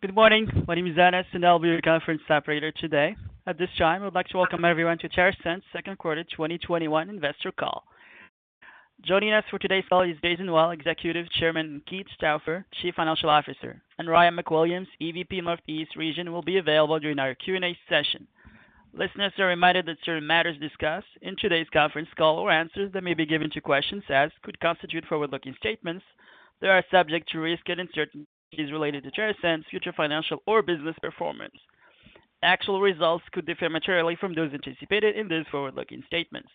Good morning. My name is Dennis, and I'll be your conference operator today. At this time, I would like to welcome everyone to TerrAscend's second quarter 2021 investor call. Joining us for today's call is Jason Wild, Executive Chairman, and Keith Stauffer, Chief Financial Officer, and Ryan McWilliams, EVP, Northeast Region, will be available during our Q&A session. Listeners are reminded that certain matters discussed in today's conference call, or answers that may be given to questions asked, could constitute forward-looking statements that are subject to risks and uncertainties related to TerrAscend's future financial or business performance. Actual results could differ materially from those anticipated in the forward-looking statements.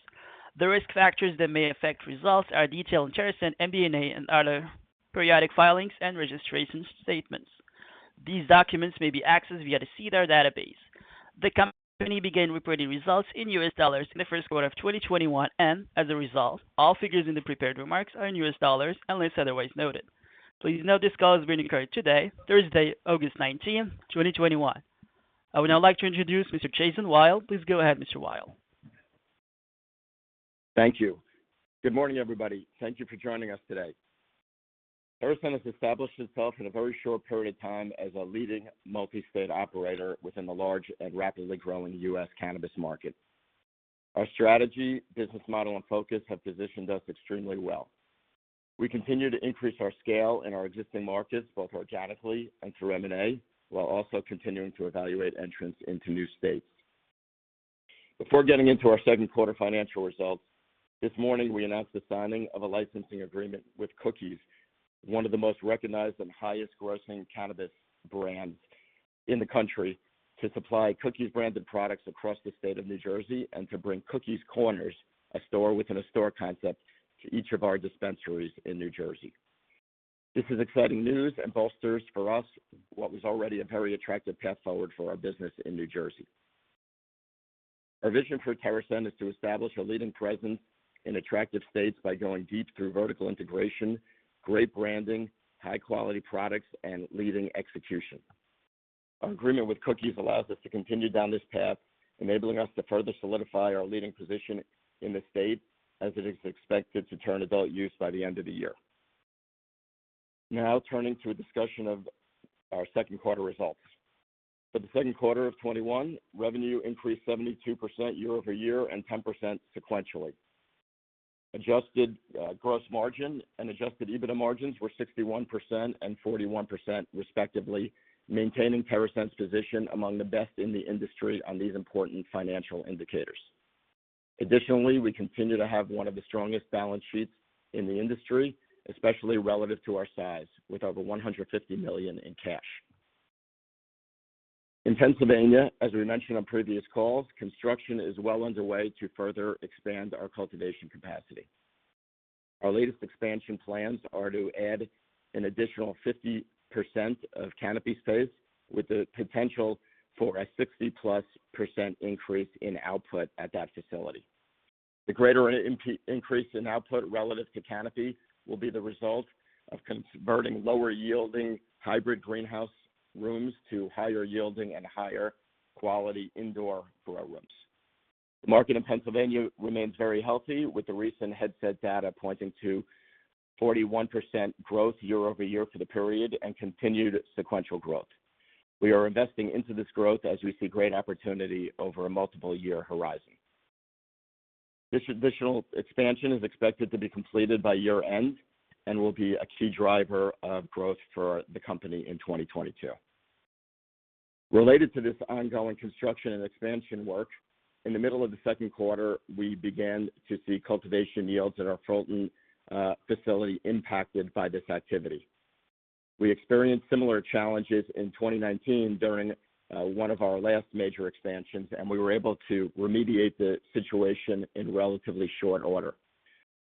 The risk factors that may affect results are detailed in TerrAscend's MD&A and other periodic filings and registration statements. These documents may be accessed via the SEDAR database. The company began reporting results in US dollars in the first quarter of 2021, and as a result, all figures in the prepared remarks are in US dollars unless otherwise noted. Please note this call is being recorded today, Thursday, August 19th, 2021. I would now like to introduce Mr. Jason Wild. Please go ahead, Mr. Wild. Thank you. Good morning, everybody. Thank you for joining us today. TerrAscend has established itself in a very short period of time as a leading multi-state operator within the large and rapidly growing U.S. cannabis market. Our strategy, business model, and focus have positioned us extremely well. We continue to increase our scale in our existing markets, both organically and through M&A, while also continuing to evaluate entrance into new states. Before getting into our second quarter financial results, this morning, we announced the signing of a licensing agreement with Cookies, one of the most recognized and highest-grossing cannabis brands in the country, to supply Cookies-branded products across the state of New Jersey and to bring Cookies Corners, a store-within-a-store concept, to each of our dispensaries in New Jersey. This is exciting news and bolsters for us what was already a very attractive path forward for our business in New Jersey. Our vision for TerrAscend is to establish a leading presence in attractive states by going deep through vertical integration, great branding, high-quality products, and leading execution. Our agreement with Cookies allows us to continue down this path, enabling us to further solidify our leading position in the state as it is expected to turn adult use by the end of the year. Turning to a discussion of our 2nd quarter results. For the second quarter of 2021, revenue increased 72% year-over-year and 10% sequentially. Adjusted gross margin and Adjusted EBITDA margins were 61% and 41% respectively, maintaining TerrAscend's position among the best in the industry on these important financial indicators. Additionally, we continue to have one of the strongest balance sheets in the industry, especially relative to our size, with over $150 million in cash. In Pennsylvania, as we mentioned on previous calls, construction is well underway to further expand our cultivation capacity. Our latest expansion plans are to add an additional 50% of canopy space with the potential for a 60%+ increase in output at that facility. The greater increase in output relative to canopy will be the result of converting lower-yielding hybrid greenhouse rooms to higher-yielding and higher-quality indoor grow rooms. The market in Pennsylvania remains very healthy, with the recent Headset data pointing to 41% growth year-over-year for the period and continued sequential growth. We are investing into this growth as we see great opportunity over a multiple-year horizon. This additional expansion is expected to be completed by year-end and will be a key driver of growth for the company in 2022. Related to this ongoing construction and expansion work, in the middle of the second quarter, we began to see cultivation yields at our Fulton facility impacted by this activity. We experienced similar challenges in 2019 during one of our last major expansions, and we were able to remediate the situation in relatively short order.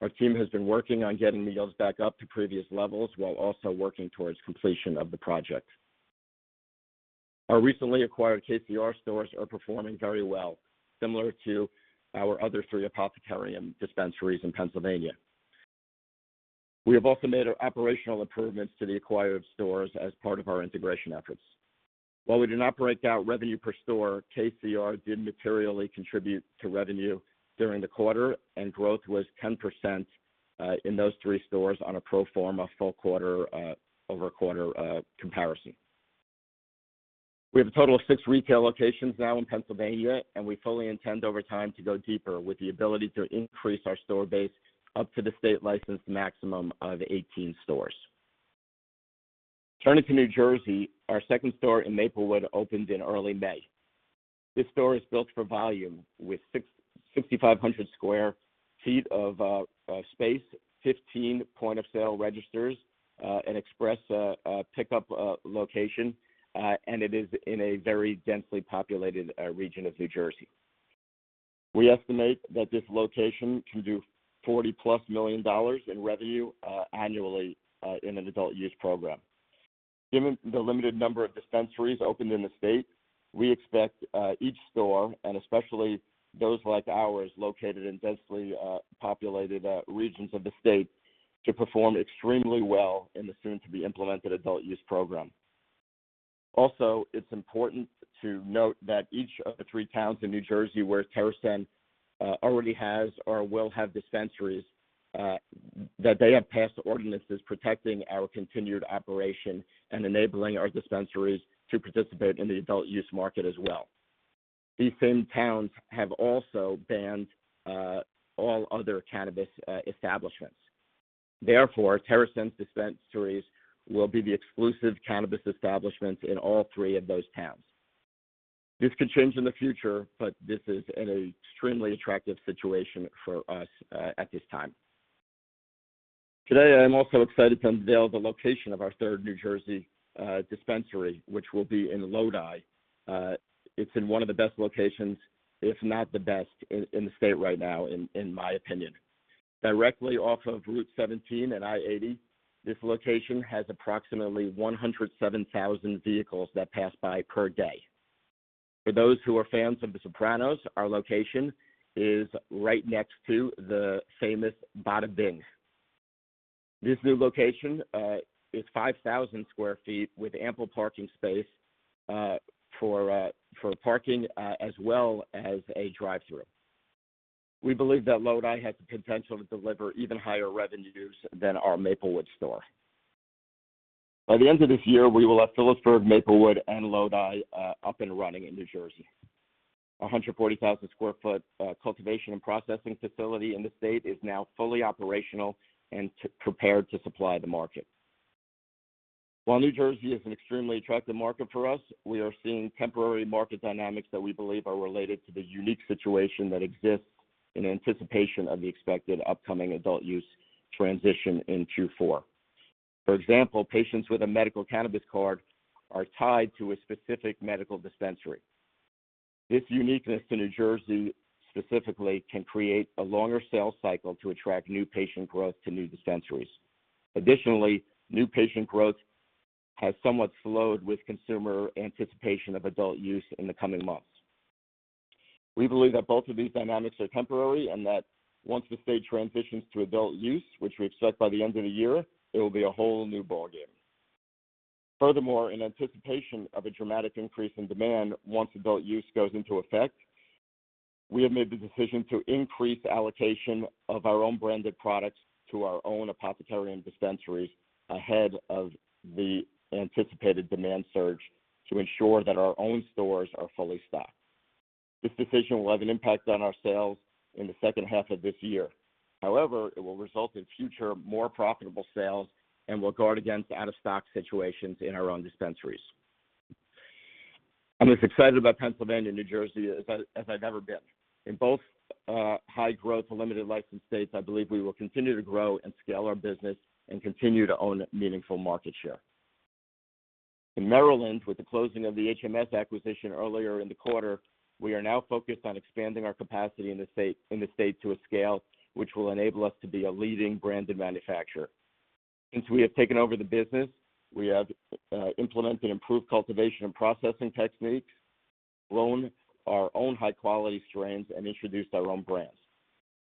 Our team has been working on getting the yields back up to previous levels while also working towards completion of the project. Our recently acquired KCR stores are performing very well, similar to our other three Apothecarium dispensaries in Pennsylvania. We have also made operational improvements to the acquired stores as part of our integration efforts. While we did not break out revenue per store, KCR did materially contribute to revenue during the quarter, and growth was 10% in those three stores on a pro forma full quarter-over-quarter comparison. We have a total of six retail locations now in Pennsylvania, and we fully intend over time to go deeper with the ability to increase our store base up to the state licensed maximum of 18 stores. Turning to New Jersey, our second store in Maplewood opened in early May. This store is built for volume with 6,500 sq ft of space, 15 point-of-sale registers, an express pickup location, and it is in a very densely populated region of New Jersey. We estimate that this location can do $40+ million in revenue annually in an adult-use program. Given the limited number of dispensaries opened in the state, we expect each store, and especially those like ours, located in densely populated regions of the state, to perform extremely well in the soon-to-be-implemented adult use program. Also, it's important to note that each of the three towns in New Jersey where TerrAscend already has or will have dispensaries, that they have passed ordinances protecting our continued operation and enabling our dispensaries to participate in the adult use market as well. These same towns have also banned all other cannabis establishments. Therefore, TerrAscend's dispensaries will be the exclusive cannabis establishments in all three of those towns. This could change in the future, but this is an extremely attractive situation for us at this time. Today, I am also excited to unveil the location of our third New Jersey dispensary, which will be in Lodi. It's in one of the best locations, if not the best, in the state right now, in my opinion. Directly off of Route 17 and I-80, this location has approximately 107,000 vehicles that pass by per day. For those who are fans of "The Sopranos," our location is right next to the famous Bada Bing. This new location is 5,000 sq ft with ample parking space for parking, as well as a drive-through. We believe that Lodi has the potential to deliver even higher revenues than our Maplewood store. By the end of this year, we will have Phillipsburg, Maplewood, and Lodi up and running in New Jersey. Our 140,000 sq-ft cultivation and processing facility in the state is now fully operational and prepared to supply the market. While New Jersey is an extremely attractive market for us, we are seeing temporary market dynamics that we believe are related to the unique situation that exists in anticipation of the expected upcoming adult use transition in Q4. For example, patients with a medical cannabis card are tied to a specific medical dispensary. This uniqueness to New Jersey specifically can create a longer sales cycle to attract new patient growth to new dispensaries. Additionally, new patient growth has somewhat slowed with consumer anticipation of adult use in the coming months. We believe that both of these dynamics are temporary, and that once the state transitions to adult use, which we expect by the end of the year, it will be a whole new ballgame. Furthermore, in anticipation of a dramatic increase in demand once adult use goes into effect, we have made the decision to increase allocation of our own branded products to our own Apothecarium dispensaries ahead of the anticipated demand surge to ensure that our own stores are fully stocked. This decision will have an impact on our sales in the second half of this year. However, it will result in future, more profitable sales and will guard against out-of-stock situations in our own dispensaries. I'm as excited about Pennsylvania and New Jersey as I've ever been. In both high-growth and limited license states, I believe we will continue to grow and scale our business and continue to own meaningful market share. In Maryland, with the closing of the HMS acquisition earlier in the quarter, we are now focused on expanding our capacity in the state to a scale which will enable us to be a leading branded manufacturer. Since we have taken over the business, we have implemented improved cultivation and processing techniques, grown our own high-quality strains, and introduced our own brands.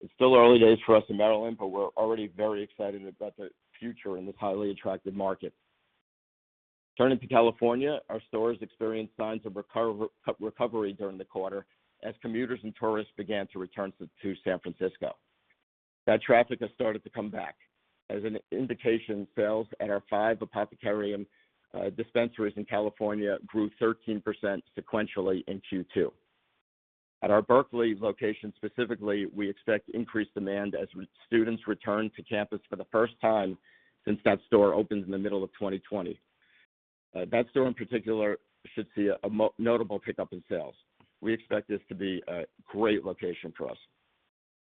It's still early days for us in Maryland, but we're already very excited about the future in this highly attractive market. Turning to California, our stores experienced signs of recovery during the quarter as commuters and tourists began to return to San Francisco. That traffic has started to come back. As an indication, sales at our five Apothecarium dispensaries in California grew 13% sequentially in Q2. At our Berkeley location specifically, we expect increased demand as students return to campus for the first time since that store opened in the middle of 2020. That store in particular should see a notable pickup in sales. We expect this to be a great location for us.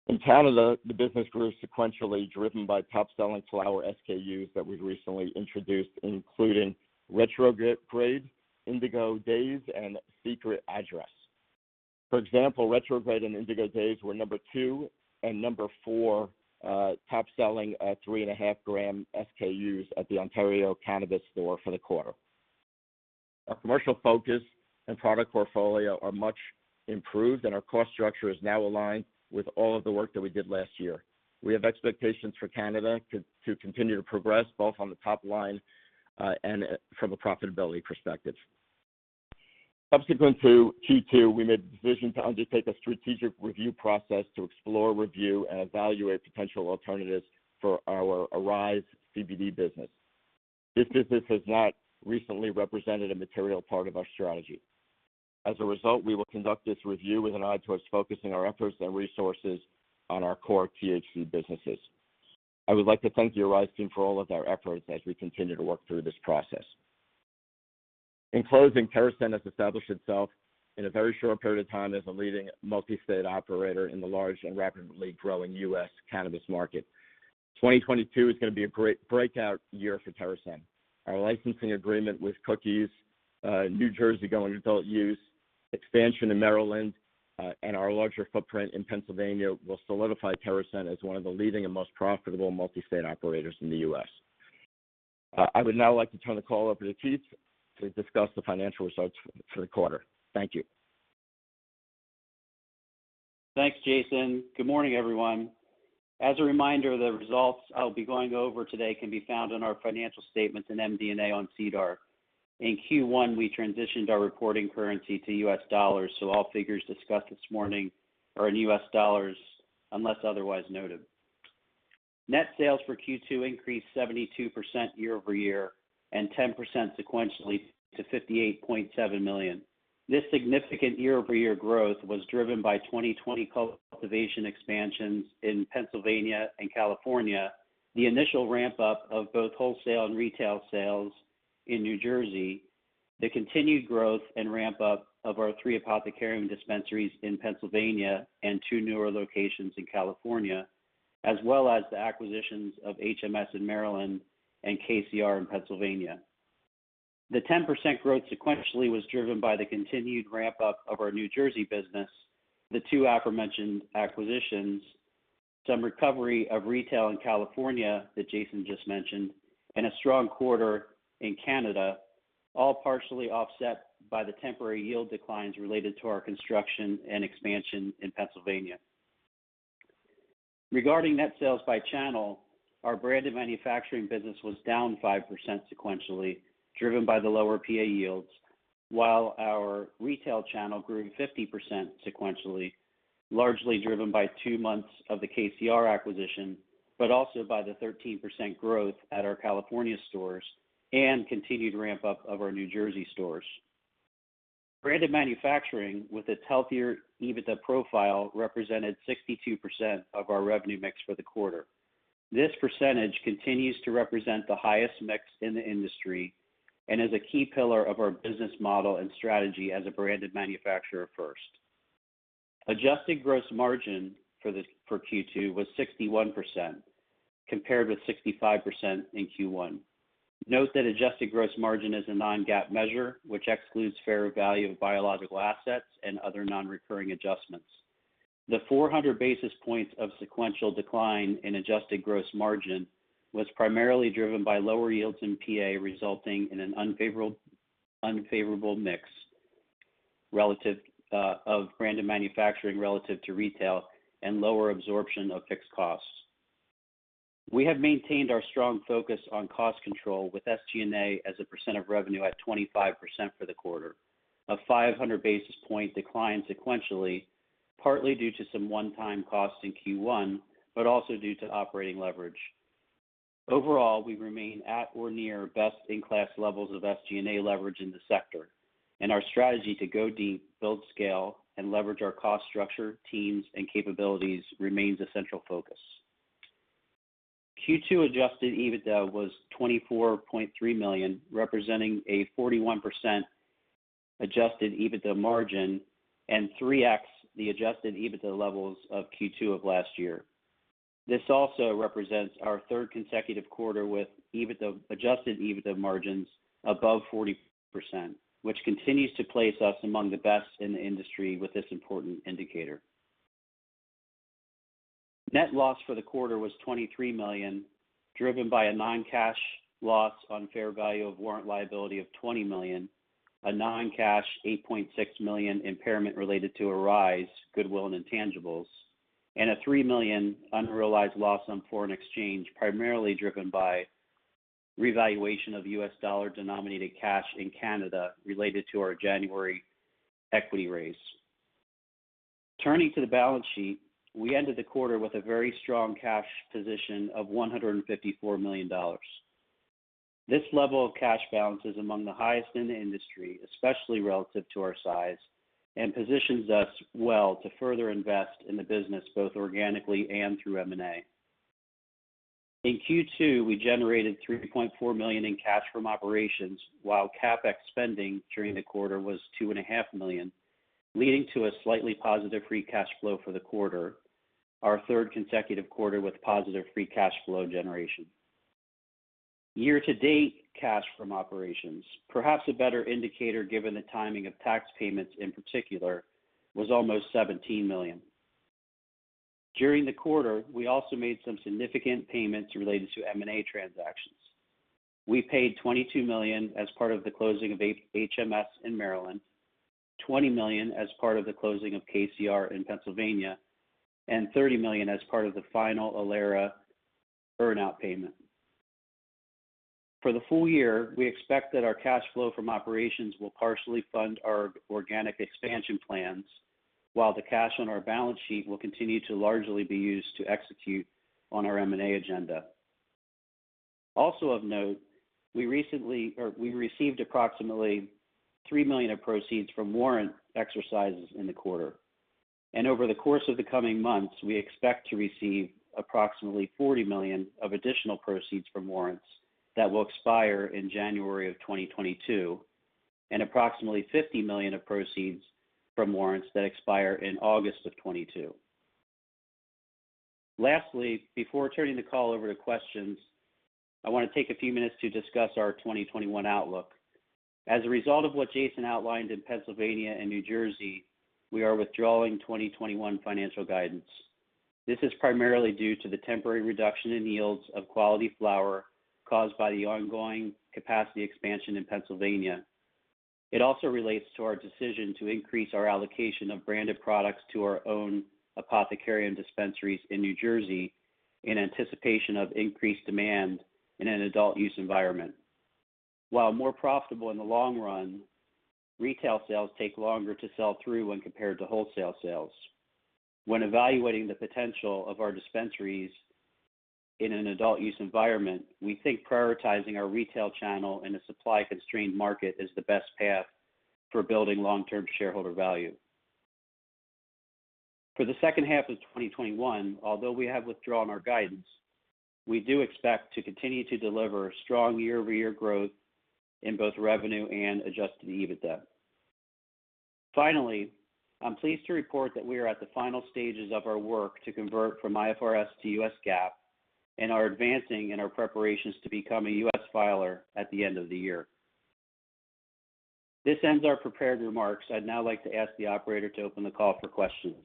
In Canada, the business grew sequentially, driven by top-selling flower SKUs that we recently introduced, including Retrograde, Indigo Daze, and Secret Address. For example, Retrograde and Indigo Daze were number two and number four top-selling 3.5 g SKUs at the Ontario Cannabis Store for the quarter. Our commercial focus and product portfolio are much improved, and our cost structure is now aligned with all of the work that we did last year. We have expectations for Canada to continue to progress both on the top line and from a profitability perspective. Subsequent to Q2, we made the decision to undertake a strategic review process to explore, review, and evaluate potential alternatives for our Arise CBD business. This business has not recently represented a material part of our strategy. As a result, we will conduct this review with an eye towards focusing our efforts and resources on our core THC businesses. I would like to thank the Arise team for all of their efforts as we continue to work through this process. In closing, TerrAscend has established itself in a very short period of time as a leading multi-state operator in the large and rapidly growing U.S. cannabis market. 2022 is going to be a great breakout year for TerrAscend. Our licensing agreement with Cookies, New Jersey going adult use, expansion in Maryland, and our larger footprint in Pennsylvania will solidify TerrAscend as one of the leading and most profitable multi-state operators in the U.S. I would now like to turn the call over to Keith to discuss the financial results for the quarter. Thank you. Thanks, Jason. Good morning, everyone. As a reminder, the results I'll be going over today can be found on our financial statements in MD&A on SEDAR. In Q1, we transitioned our reporting currency to US dollars, so all figures discussed this morning are in US dollars unless otherwise noted. Net sales for Q2 increased 72% year-over-year and 10% sequentially to $58.7 million. This significant year-over-year growth was driven by 2020 cultivation expansions in Pennsylvania and California, the initial ramp-up of both wholesale and retail sales in New Jersey, the continued growth and ramp-up of our three Apothecarium dispensaries in Pennsylvania and two newer locations in California, as well as the acquisitions of HMS in Maryland and KCR in Pennsylvania. The 10% growth sequentially was driven by the continued ramp-up of our New Jersey business, the two aforementioned acquisitions, some recovery of retail in California that Jason just mentioned, and a strong quarter in Canada, all partially offset by the temporary yield declines related to our construction and expansion in Pennsylvania. Regarding net sales by channel, our branded manufacturing business was down 5% sequentially, driven by the lower PA yields, while our retail channel grew 50% sequentially, largely driven by two months of the KCR acquisition, but also by the 13% growth at our California stores and continued ramp-up of our New Jersey stores. Branded manufacturing, with its healthier EBITDA profile, represented 62% of our revenue mix for the quarter. This percentage continues to represent the highest mix in the industry and is a key pillar of our business model and strategy as a branded manufacturer first. Adjusted gross margin for Q2 was 61%, compared with 65% in Q1. Note that adjusted gross margin is a non-GAAP measure, which excludes fair value of biological assets and other non-recurring adjustments. The 400 basis points of sequential decline in adjusted gross margin was primarily driven by lower yields in PA, resulting in an unfavorable mix of branded manufacturing relative to retail and lower absorption of fixed costs. We have maintained our strong focus on cost control with SG&A as a percent of revenue at 25% for the quarter, a 500 basis point decline sequentially, partly due to some one-time costs in Q1, but also due to operating leverage. Overall, we remain at or near best-in-class levels of SG&A leverage in the sector, and our strategy to go deep, build scale, and leverage our cost structure, teams, and capabilities remains a central focus. Q2 Adjusted EBITDA was $24.3 million, representing a 41% Adjusted EBITDA margin and 3x the Adjusted EBITDA levels of Q2 of last year. This also represents our third consecutive quarter with Adjusted EBITDA margins above 40%, which continues to place us among the best in the industry with this important indicator. Net loss for the quarter was $23 million, driven by a non-cash loss on fair value of warrant liability of $20 million, a non-cash $8.6 million impairment related to Arise goodwill and intangibles, and a $3 million unrealized loss on foreign exchange, primarily driven by revaluation of US dollar-denominated cash in Canada related to our January equity raise. Turning to the balance sheet, we ended the quarter with a very strong cash position of $154 million. This level of cash balance is among the highest in the industry, especially relative to our size, and positions us well to further invest in the business, both organically and through M&A. In Q2, we generated $3.4 million in cash from operations, while CapEx spending during the quarter was $2.5 Million, leading to a slightly positive free cash flow for the quarter, our third consecutive quarter with positive free cash flow generation. Year-to-date cash from operations, perhaps a better indicator given the timing of tax payments in particular, was almost $17 million. During the quarter, we also made some significant payments related to M&A transactions. We paid $22 million as part of the closing of HMS in Maryland, $20 million as part of the closing of KCR in Pennsylvania, and $30 million as part of the final Ilera earnout payment. For the full year, we expect that our cash flow from operations will partially fund our organic expansion plans, while the cash on our balance sheet will continue to largely be used to execute on our M&A agenda. Also of note, we received approximately $3 million of proceeds from warrant exercises in the quarter. Over the course of the coming months, we expect to receive approximately $40 million of additional proceeds from warrants that will expire in January of 2022, and approximately $50 million of proceeds from warrants that expire in August of 2022. Lastly, before turning the call over to questions, I want to take a few minutes to discuss our 2021 outlook. As a result of what Jason outlined in Pennsylvania and New Jersey, we are withdrawing 2021 financial guidance. This is primarily due to the temporary reduction in yields of quality flower caused by the ongoing capacity expansion in Pennsylvania. It also relates to our decision to increase our allocation of branded products to our own Apothecarium Dispensaries in New Jersey in anticipation of increased demand in an adult use environment. While more profitable in the long run, retail sales take longer to sell through when compared to wholesale sales. When evaluating the potential of our dispensaries in an adult use environment, we think prioritizing our retail channel in a supply-constrained market is the best path for building long-term shareholder value. For the second half of 2021, although we have withdrawn our guidance, we do expect to continue to deliver strong year-over-year growth in both revenue and Adjusted EBITDA. Finally, I'm pleased to report that we are at the final stages of our work to convert from IFRS to U.S. GAAP and are advancing in our preparations to become a U.S. filer at the end of the year. This ends our prepared remarks. I'd now like to ask the operator to open the call for questions.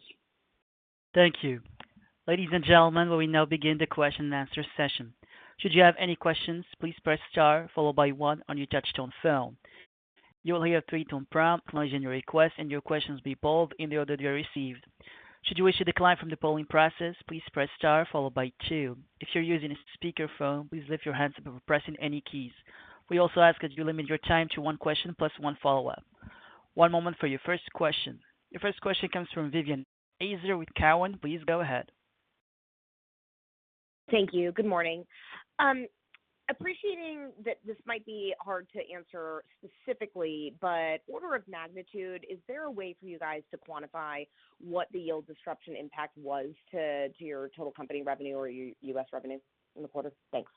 Thank you. Ladies and gentlemen, we now begin the question and answer session. Should you have any questions, please press star followed by one on your touch-tone phone. You will hear a three-tone prompt acknowledging your request, and your questions will be polled in the order they are received. Should you wish to decline from the polling process, please press star followed by two. If you're using a speakerphone, please lift your hand before pressing any keys. We also ask that you limit your time to one question plus one follow-up. One moment for your first question. Your first question comes from Vivien Azer with Cowen. Please go ahead. Thank you. Good morning. Appreciating that this might be hard to answer specifically, but order of magnitude, is there a way for you guys to quantify what the yield disruption impact was to your total company revenue or U.S. revenue in the quarter? Thanks.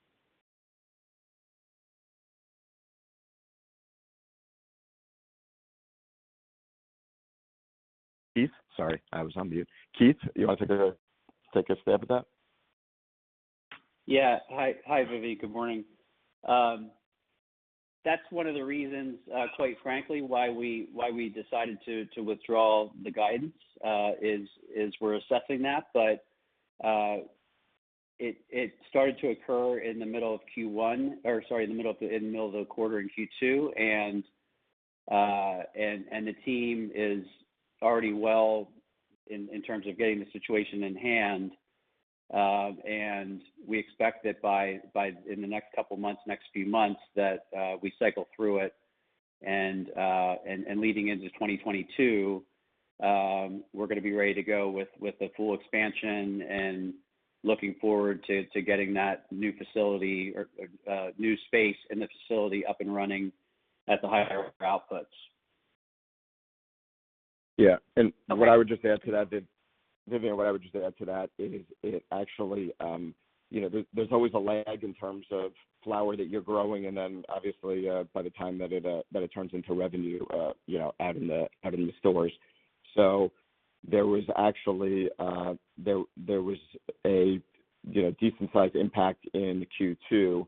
Keith. Sorry, I was on mute. Keith, you want to take a stab at that? Hi, Vivi. Good morning. That's one of the reasons, quite frankly, why we decided to withdraw the guidance, is we're assessing that. It started to occur in the middle of the quarter in Q2, and the team is already well in terms of getting the situation in hand. We expect that in the next few months that we cycle through it, and leading into 2022, we're going to be ready to go with the full expansion and looking forward to getting that new space in the facility up and running at the higher outputs. Yeah. Vivien, what I would just add to that is, there's always a lag in terms of flower that you're growing, and then obviously, by the time that it turns into revenue, out in the stores. There was a decent-sized impact in Q2,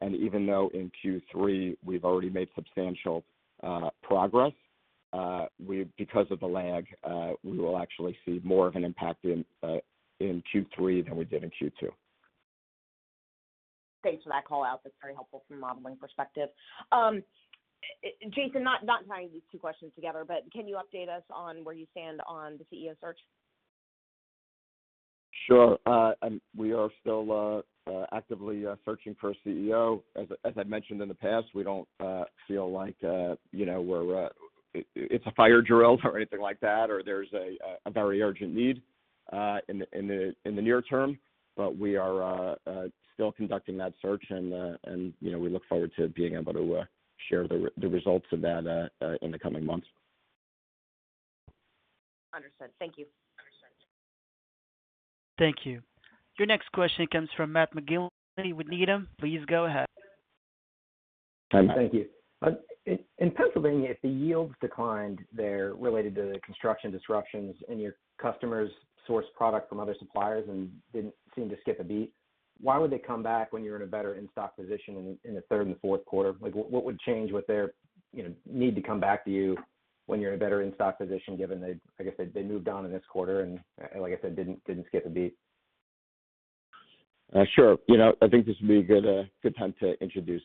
and even though in Q3, we've already made substantial progress, because of the lag, we will actually see more of an impact in Q3 than we did in Q2. Thanks for that call-out. That's very helpful from a modeling perspective. Jason, not tying these two questions together, but can you update us on where you stand on the CEO search? Sure. We are still actively searching for a CEO. As I've mentioned in the past, we don't feel like it's a fire drill or anything like that, or there's a very urgent need in the near term. We are still conducting that search, and we look forward to being able to share the results of that in the coming months. Understood. Thank you. Thank you. Your next question comes from Matt McGinley with Needham. Please go ahead. Thank you. In Pennsylvania, if the yields declined there related to the construction disruptions and your customers sourced product from other suppliers and didn't seem to skip a beat, why would they come back when you're in a better in-stock position in the third and the fourth quarter? What would change with their need to come back to you when you're in a better in-stock position, given they, I guess, they moved on in this quarter and, like I said, didn't skip a beat? Sure. I think this would be a good time to introduce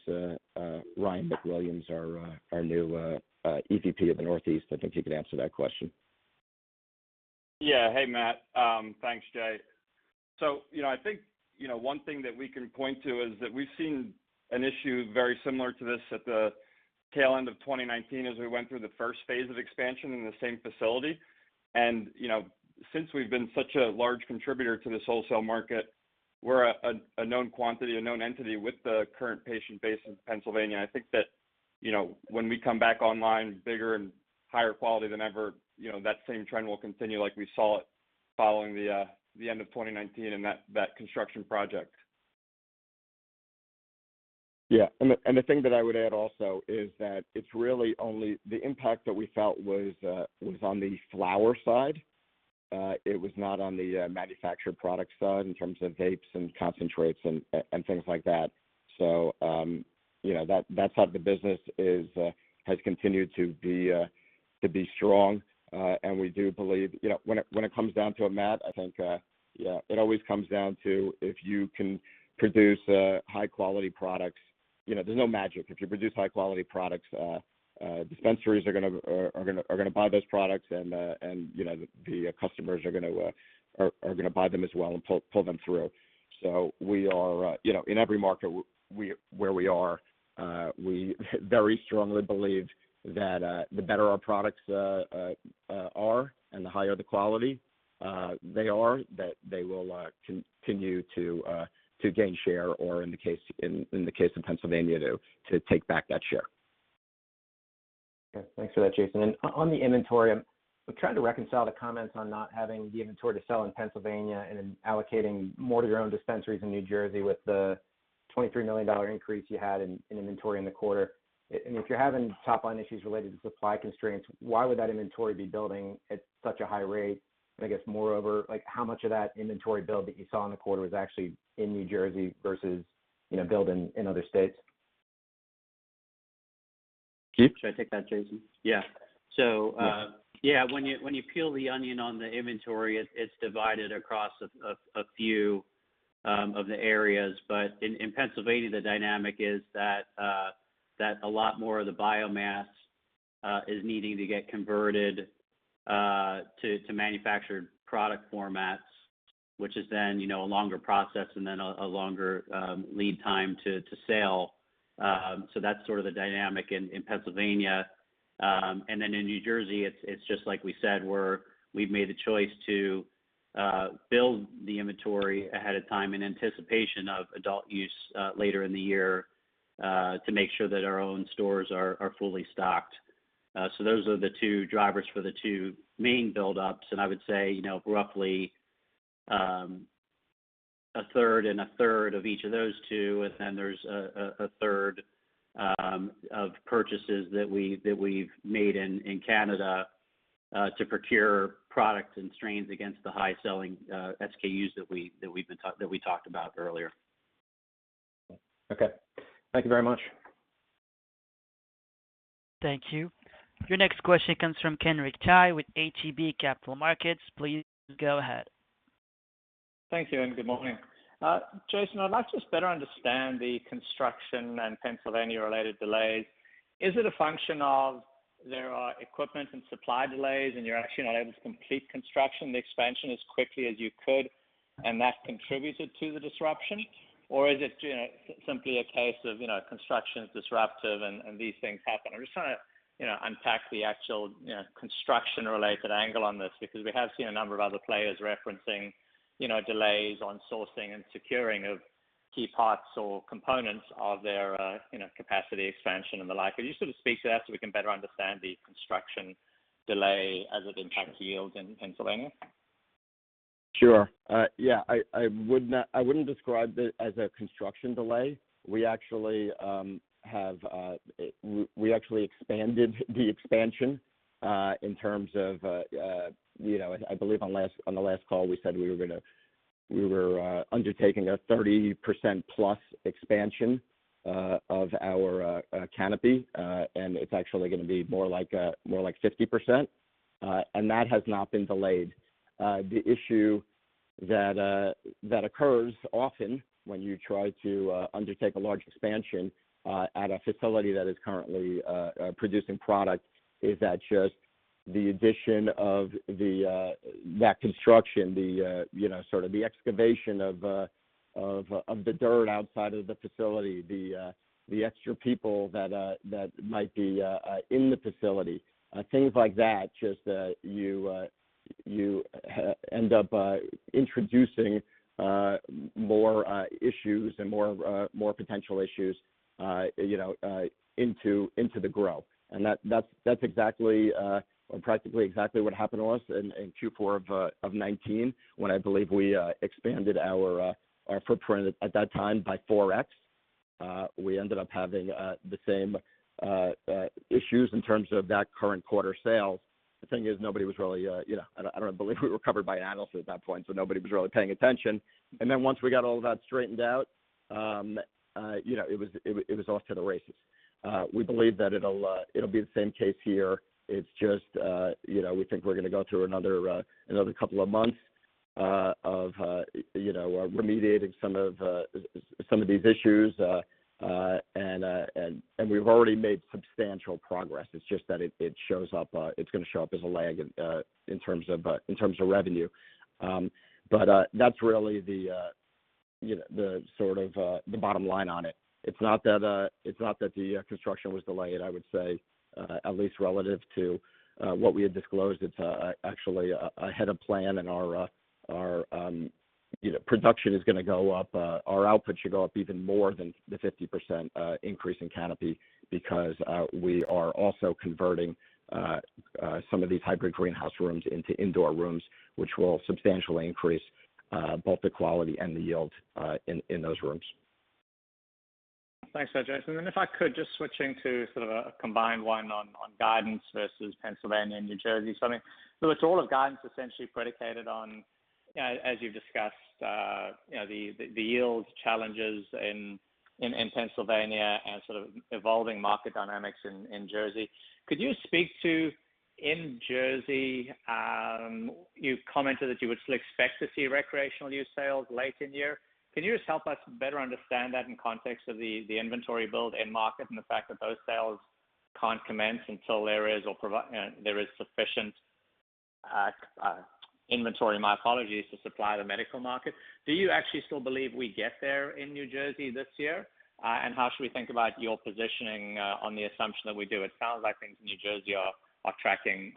Ryan McWilliams, our new EVP of the Northeast. I think he can answer that question. Yeah. Hey, Matt. Thanks, Jason. I think one thing that we can point to is that we've seen an issue very similar to this at the tail end of 2019 as we went through the first phase of expansion in the same facility. Since we've been such a large contributor to this wholesale market, we're a known quantity, a known entity with the current patient base in Pennsylvania. I think that when we come back online bigger and higher quality than ever, that same trend will continue like we saw it following the end of 2019 and that construction project. Yeah. The thing that I would add also is that the impact that we felt was on the flower side. It was not on the manufactured product side in terms of vapes and concentrates and things like that. That side of the business has continued to be strong. We do believe when it comes down to a mat, I think, it always comes down to if you can produce high-quality products. There's no magic. If you produce high-quality products, dispensaries are going to buy those products and the customers are going to buy them as well and pull them through. In every market where we are, we very strongly believe that the better our products are, and the higher the quality they are, that they will continue to gain share, or in the case of Pennsylvania, to take back that share. Okay. Thanks for that, Jason. On the inventory, I'm trying to reconcile the comments on not having the inventory to sell in Pennsylvania and then allocating more to your own dispensaries in New Jersey with the $23 million increase you had in inventory in the quarter. If you're having top-line issues related to supply constraints, why would that inventory be building at such a high rate? I guess, moreover, how much of that inventory build that you saw in the quarter was actually in New Jersey versus build in other states? Keith? Should I take that, Jason? Yeah. Yeah. Yeah, when you peel the onion on the inventory, it's divided across a few of the areas. In Pennsylvania, the dynamic is that a lot more of the biomass is needing to get converted to manufactured product formats, which is then a longer process and then a longer lead time to sale. That's sort of the dynamic in Pennsylvania. In New Jersey, it's just like we said, where we've made the choice to build the inventory ahead of time in anticipation of adult use later in the year, to make sure that our own stores are fully stocked. Those are the 2 drivers for the 2 main buildups. I would say, roughly, a third and a third of each of those two, and then there's a third of purchases that we've made in Canada to procure products and strains against the high-selling SKUs that we talked about earlier. Okay. Thank you very much. Thank you. Your next question comes from Kenric Tyghe with ATB Capital Markets. Please go ahead. Thank you. Good morning. Jason, I'd like to just better understand the construction and Pennsylvania-related delays. Is it a function of there are equipment and supply delays, and you're actually not able to complete construction, the expansion as quickly as you could, and that contributed to the disruption? Is it simply a case of construction is disruptive and these things happen? I'm just trying to unpack the actual construction-related angle on this, because we have seen a number of other players referencing delays on sourcing and securing of key parts or components of their capacity expansion and the like. Could you sort of speak to that so we can better understand the construction delay as it impacts yields in Pennsylvania? Sure. Yeah. I wouldn't describe it as a construction delay. We actually expanded the expansion in terms of, I believe on the last call, we said we were undertaking a 30%+ expansion of our canopy. It's actually going to be more like 50%. That has not been delayed. The issue that occurs often when you try to undertake a large expansion at a facility that is currently producing product is that just the addition of that construction, the sort of the excavation of the dirt outside of the facility, the extra people that might be in the facility, things like that, just you end up introducing more issues and more potential issues into the grow. That's practically exactly what happened to us in Q4 of 2019, when I believe we expanded our footprint at that time by 4x. We ended up having the same issues in terms of that current quarter sales. The thing is, nobody was really I don't believe we were covered by analysts at that point, so nobody was really paying attention. Then once we got all of that straightened out, it was off to the races. We believe that it'll be the same case here. It's just we think we're going to go through another couple of months of remediating some of these issues. We've already made substantial progress. It's just that it's going to show up as a lag in terms of revenue. That's really the bottom line on it. It's not that the construction was delayed, I would say, at least relative to what we had disclosed. It's actually ahead of plan, and our production is going to go up. Our output should go up even more than the 50% increase in Canopy, because we are also converting some of these hybrid greenhouse rooms into indoor rooms, which will substantially increase both the quality and the yield in those rooms. Thanks for that, Jason. If I could, just switching to sort of a combined one on guidance versus Pennsylvania and New Jersey. It's all of guidance essentially predicated on, as you've discussed, the yields challenges in Pennsylvania and evolving market dynamics in New Jersey. Could you speak to, in New Jersey, you commented that you would still expect to see recreational use sales late in the year. Can you just help us better understand that in context of the inventory build end market and the fact that those sales can't commence until there is sufficient inventory, my apologies, to supply the medical market? Do you actually still believe we get there in New Jersey this year? How should we think about your positioning on the assumption that we do? It sounds like things in New Jersey are tracking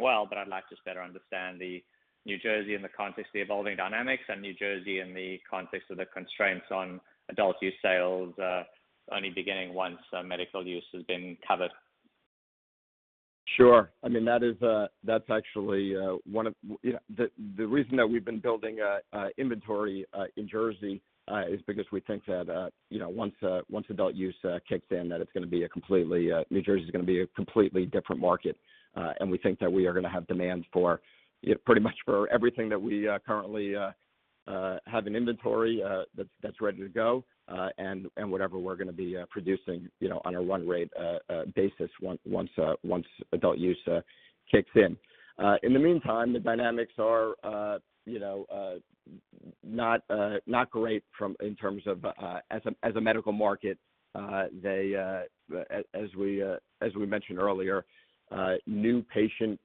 well. I'd like to just better understand the New Jersey in the context of the evolving dynamics and New Jersey in the context of the constraints on adult use sales, only beginning once medical use has been covered. Sure. The reason that we've been building inventory in Jersey is because we think that once adult use kicks in, New Jersey's going to be a completely different market. We think that we are going to have demand pretty much for everything that we currently have in inventory that's ready to go, and whatever we're going to be producing on a run rate basis once adult use kicks in. In the meantime, the dynamics are not great as a medical market. As we mentioned earlier, new patient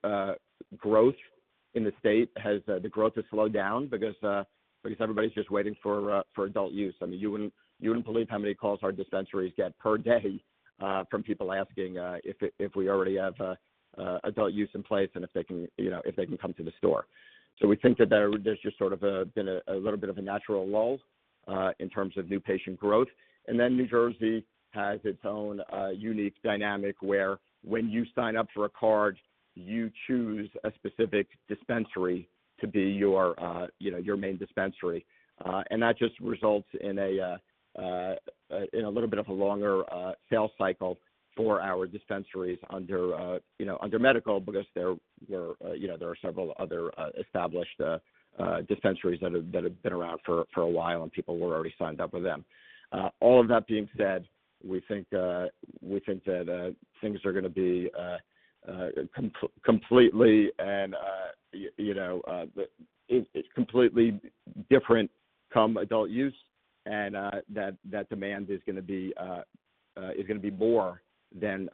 growth in the state has slowed down because everybody's just waiting for adult use. You wouldn't believe how many calls our dispensaries get per day from people asking if we already have adult use in place and if they can come to the store. We think that there's just sort of been a little bit of a natural lull in terms of new patient growth. New Jersey has its own unique dynamic where when you sign up for a card, you choose a specific dispensary to be your main dispensary. That just results in a little bit of a longer sales cycle for our dispensaries under medical, because there are several other established dispensaries that have been around for a while, and people were already signed up with them. All of that being said, we think that things are going to be completely different come adult use. That demand is going to be more than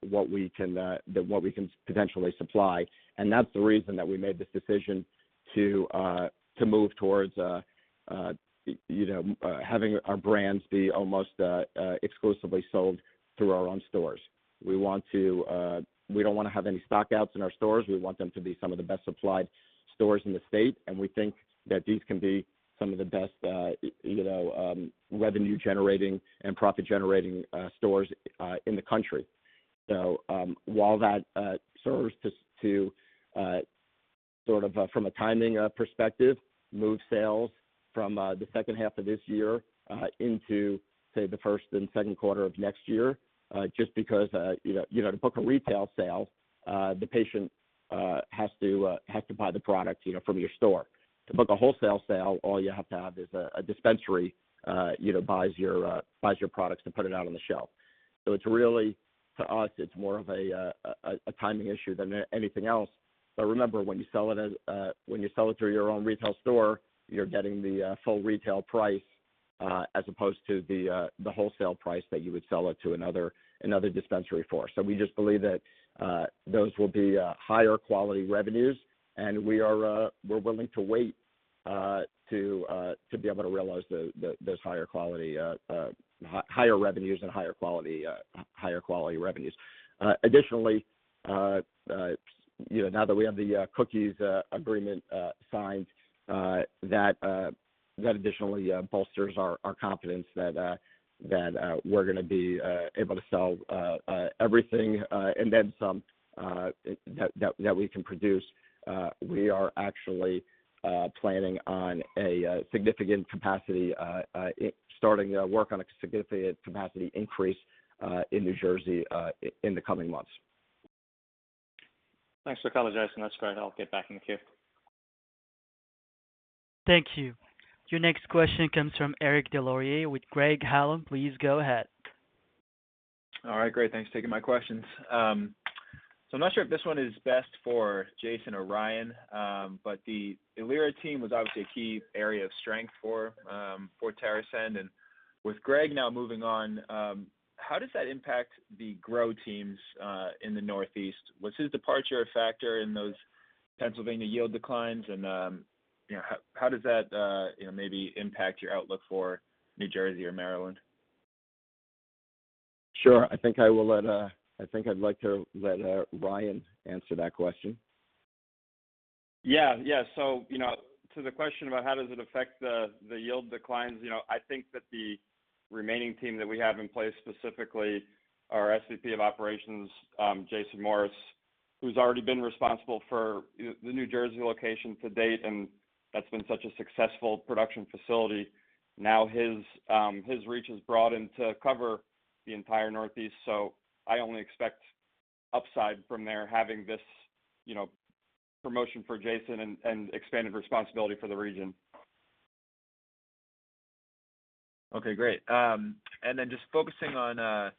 what we can potentially supply. That's the reason that we made this decision to move towards having our brands be almost exclusively sold through our own stores. We don't want to have any stock-outs in our stores. We want them to be some of the best-supplied stores in the state, and we think that these can be some of the best revenue-generating and profit-generating stores in the country. While that serves to, from a timing perspective, move sales from the second half of this year into, say, the first and second quarter of next year, just because to book a retail sale, the patient has to buy the product from your store. To book a wholesale sale, all you have to have is a dispensary buys your products to put it out on the shelf. To us, it's more of a timing issue than anything else. Remember, when you sell it through your own retail store, you're getting the full retail price, as opposed to the wholesale price that you would sell it to another dispensary for. We just believe that those will be higher quality revenues, and we're willing to wait to be able to realize those higher revenues and higher quality revenues. Additionally, now that we have the Cookies agreement signed, that additionally bolsters our confidence that we're going to be able to sell everything and then some that we can produce. We are actually planning on starting work on a significant capacity increase in New Jersey, in the coming months. Thanks. I apologize, Jason, that's great. I'll get back in the queue. Thank you. Your next question comes from Eric Des Lauriers with Craig-Hallum. Please go ahead. All right. Great. Thanks for taking my questions. I'm not sure if this one is best for Jason or Ryan. The Ilera team was obviously a key area of strength for TerrAscend, and with Greg now moving on, how does that impact the grow teams in the Northeast? Was his departure a factor in those Pennsylvania yield declines, and how does that maybe impact your outlook for New Jersey or Maryland? Sure. I think I'd like to let Ryan answer that question. Yeah. To the question about how does it affect the yield declines, I think that the remaining team that we have in place, specifically our SVP of Operations, Jason Morris, who's already been responsible for the New Jersey location to date, and that's been such a successful production facility. Now his reach has broadened to cover the entire Northeast, so I only expect upside from there having this promotion for Jason and expanded responsibility for the region. Okay, great. Then just focusing on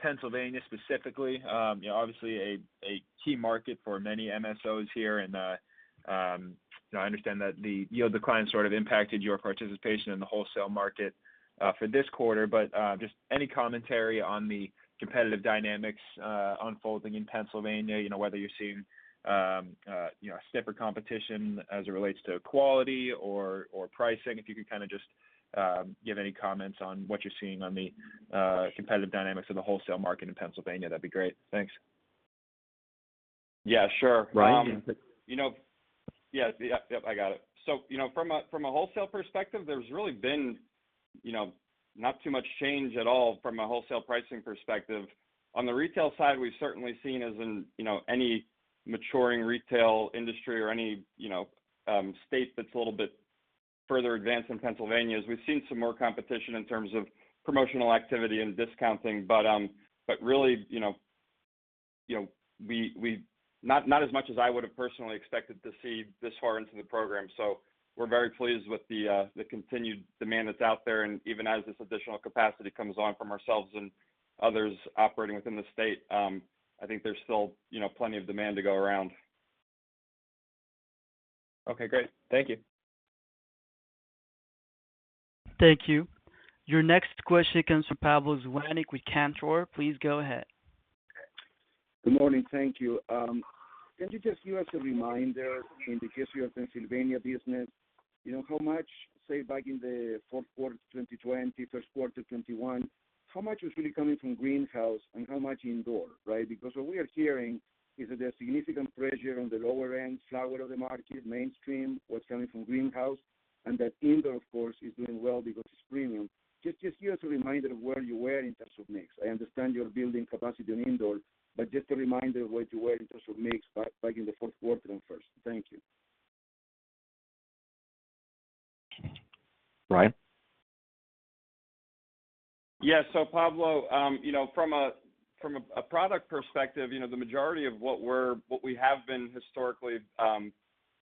Pennsylvania specifically. Obviously, a key market for many MSOs here, and I understand that the yield decline sort of impacted your participation in the wholesale market for this quarter, but just any commentary on the competitive dynamics unfolding in Pennsylvania, whether you're seeing stiffer competition as it relates to quality or pricing? If you could kind of just give any comments on what you're seeing on the competitive dynamics of the wholesale market in Pennsylvania, that'd be great. Thanks. Yeah, sure. Ryan? Yeah. I got it. From a wholesale perspective, there's really been not too much change at all from a wholesale pricing perspective. On the retail side, we've certainly seen, as in any maturing retail industry or any state that's a little bit further advanced than Pennsylvania, is we've seen some more competition in terms of promotional activity and discounting. Really, not as much as I would've personally expected to see this far into the program. We're very pleased with the continued demand that's out there, and even as this additional capacity comes on from ourselves and others operating within the state, I think there's still plenty of demand to go around. Okay, great. Thank you. Thank you. Your next question comes from Pablo Zuanic with Cantor. Please go ahead. Good morning. Thank you. Can you just give us a reminder in the case of your Pennsylvania business, how much, say, back in the fourth quarter of 2020, first quarter 2021, how much was really coming from greenhouse and how much indoor? Right? Because what we are hearing is that there's significant pressure on the lower-end flower of the market, mainstream, what's coming from greenhouse, and that indoor, of course, is doing well because it's premium. Just give us a reminder of where you were in terms of mix. I understand you're building capacity in indoor, but just a reminder of where to where in terms of mix back in the fourth quarter and first. Thank you. Ryan? Pablo, from a product perspective, the majority of what we have been historically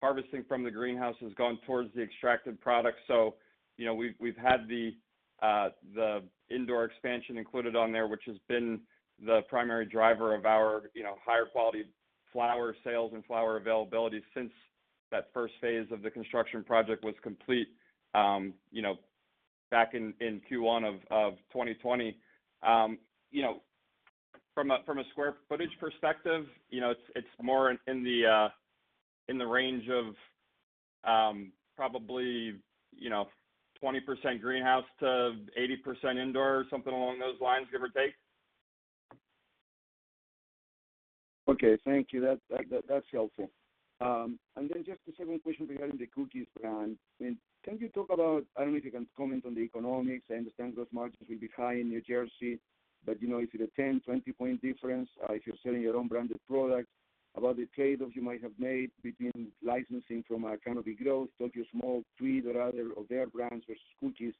harvesting from the greenhouse has gone towards the extracted product. We've had the indoor expansion included on there, which has been the primary driver of our higher-quality flower sales and flower availability since that first phase of the construction project was complete back in Q1 of 2020. From a square footage perspective, it's more in the range of probably 20% greenhouse to 80% indoor, something along those lines, give or take. Okay. Thank you. That's helpful. Just a second question regarding the Cookies brand. Can you talk about, I don't know if you can comment on the economics, I understand gross margins will be high in New Jersey, but if it a 10-20-point difference, if you're selling your own branded product, about the trade-offs you might have made between licensing from a Canopy Growth, Tokyo Smoke, Tweed, or other of their brands versus Cookies.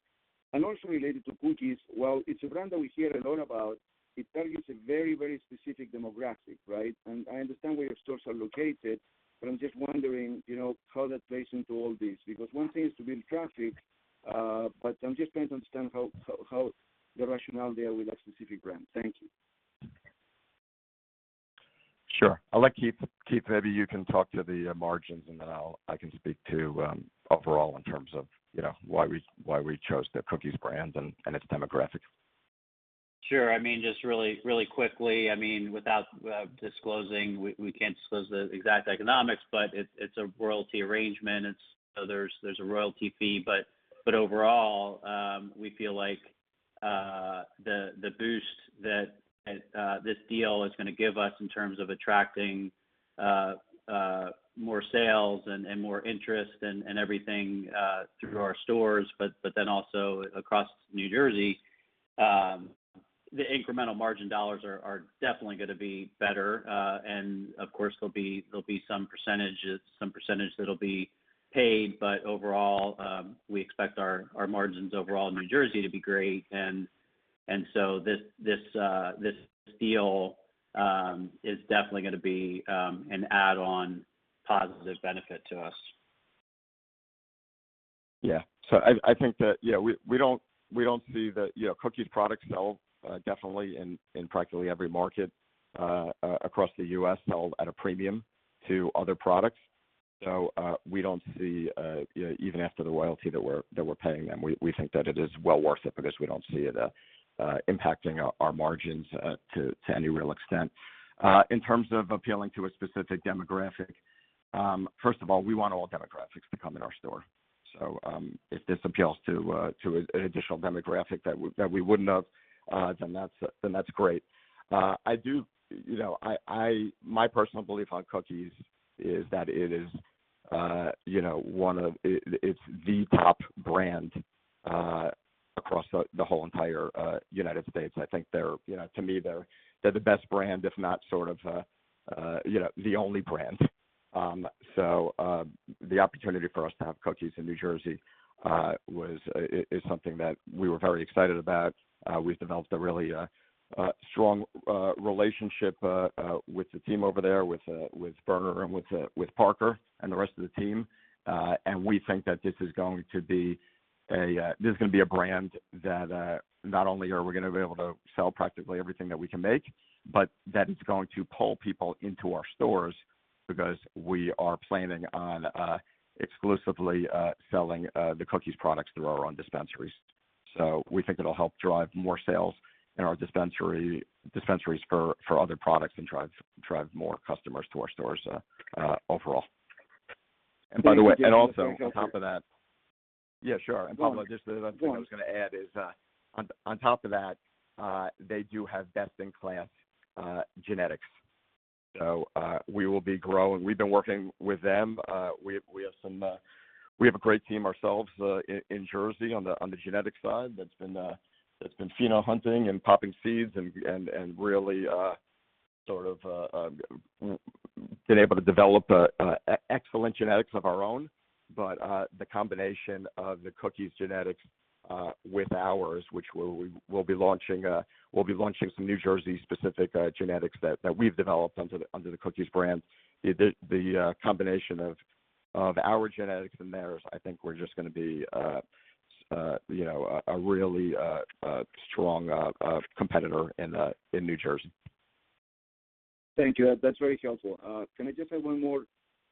Also related to Cookies, while it's a brand that we hear a lot about, it targets a very, very specific demographic, right? I understand where your stores are located, but I'm just wondering how that plays into all this. One thing is to build traffic, but I'm just trying to understand how the rationale there with that specific brand. Thank you. Sure. I'll let Keith, maybe you can talk to the margins, and then I can speak to overall in terms of why we chose the Cookies brand and its demographic. Sure. Just really, really quickly, without disclosing, we can't disclose the exact economics, but it's a royalty arrangement. There's a royalty fee. Overall, we feel like the boost that this deal is going to give us in terms of attracting more sales and more interest and everything through our stores, also across New Jersey, the incremental margin dollars are definitely going to be better. Of course, there'll be some percentage that'll be paid, overall, we expect our margins overall in New Jersey to be great. This deal is definitely going to be an add-on positive benefit to us. I think that we don't see the Cookies products sold, definitely in practically every market across the U.S., sold at a premium to other products. We don't see, even after the royalty that we're paying them, we think that it is well worth it because we don't see it impacting our margins to any real extent. In terms of appealing to a specific demographic, first of all, we want all demographics to come in our store. If this appeals to an additional demographic that we wouldn't have, then that's great. My personal belief on Cookies is that it's the top brand across the whole entire United States. I think, to me, they're the best brand, if not sort of the only brand. The opportunity for us to have Cookies in New Jersey is something that we were very excited about. We've developed a really strong relationship with the team over there, with Berner and with Parker and the rest of the team. We think that this is going to be a brand that not only are we going to be able to sell practically everything that we can make, but that it's going to pull people into our stores because we are planning on exclusively selling the Cookies products through our own dispensaries. We think it'll help drive more sales in our dispensaries for other products and drive more customers to our stores overall. By the way, and also on top of that. Yeah, sure. Pablo, just the other thing I was going to add is, on top of that, they do have best-in-class genetics. We will be growing. We've been working with them. We have a great team ourselves in Jersey on the genetic side that's been pheno hunting and popping seeds and really sort of been able to develop excellent genetics of our own. The combination of the Cookies genetics with ours, which we'll be launching some New Jersey specific genetics that we've developed under the Cookies brand. The combination of our genetics and theirs, I think we're just going to be a really strong competitor in New Jersey. Thank you. That is very helpful. Can I just add one more?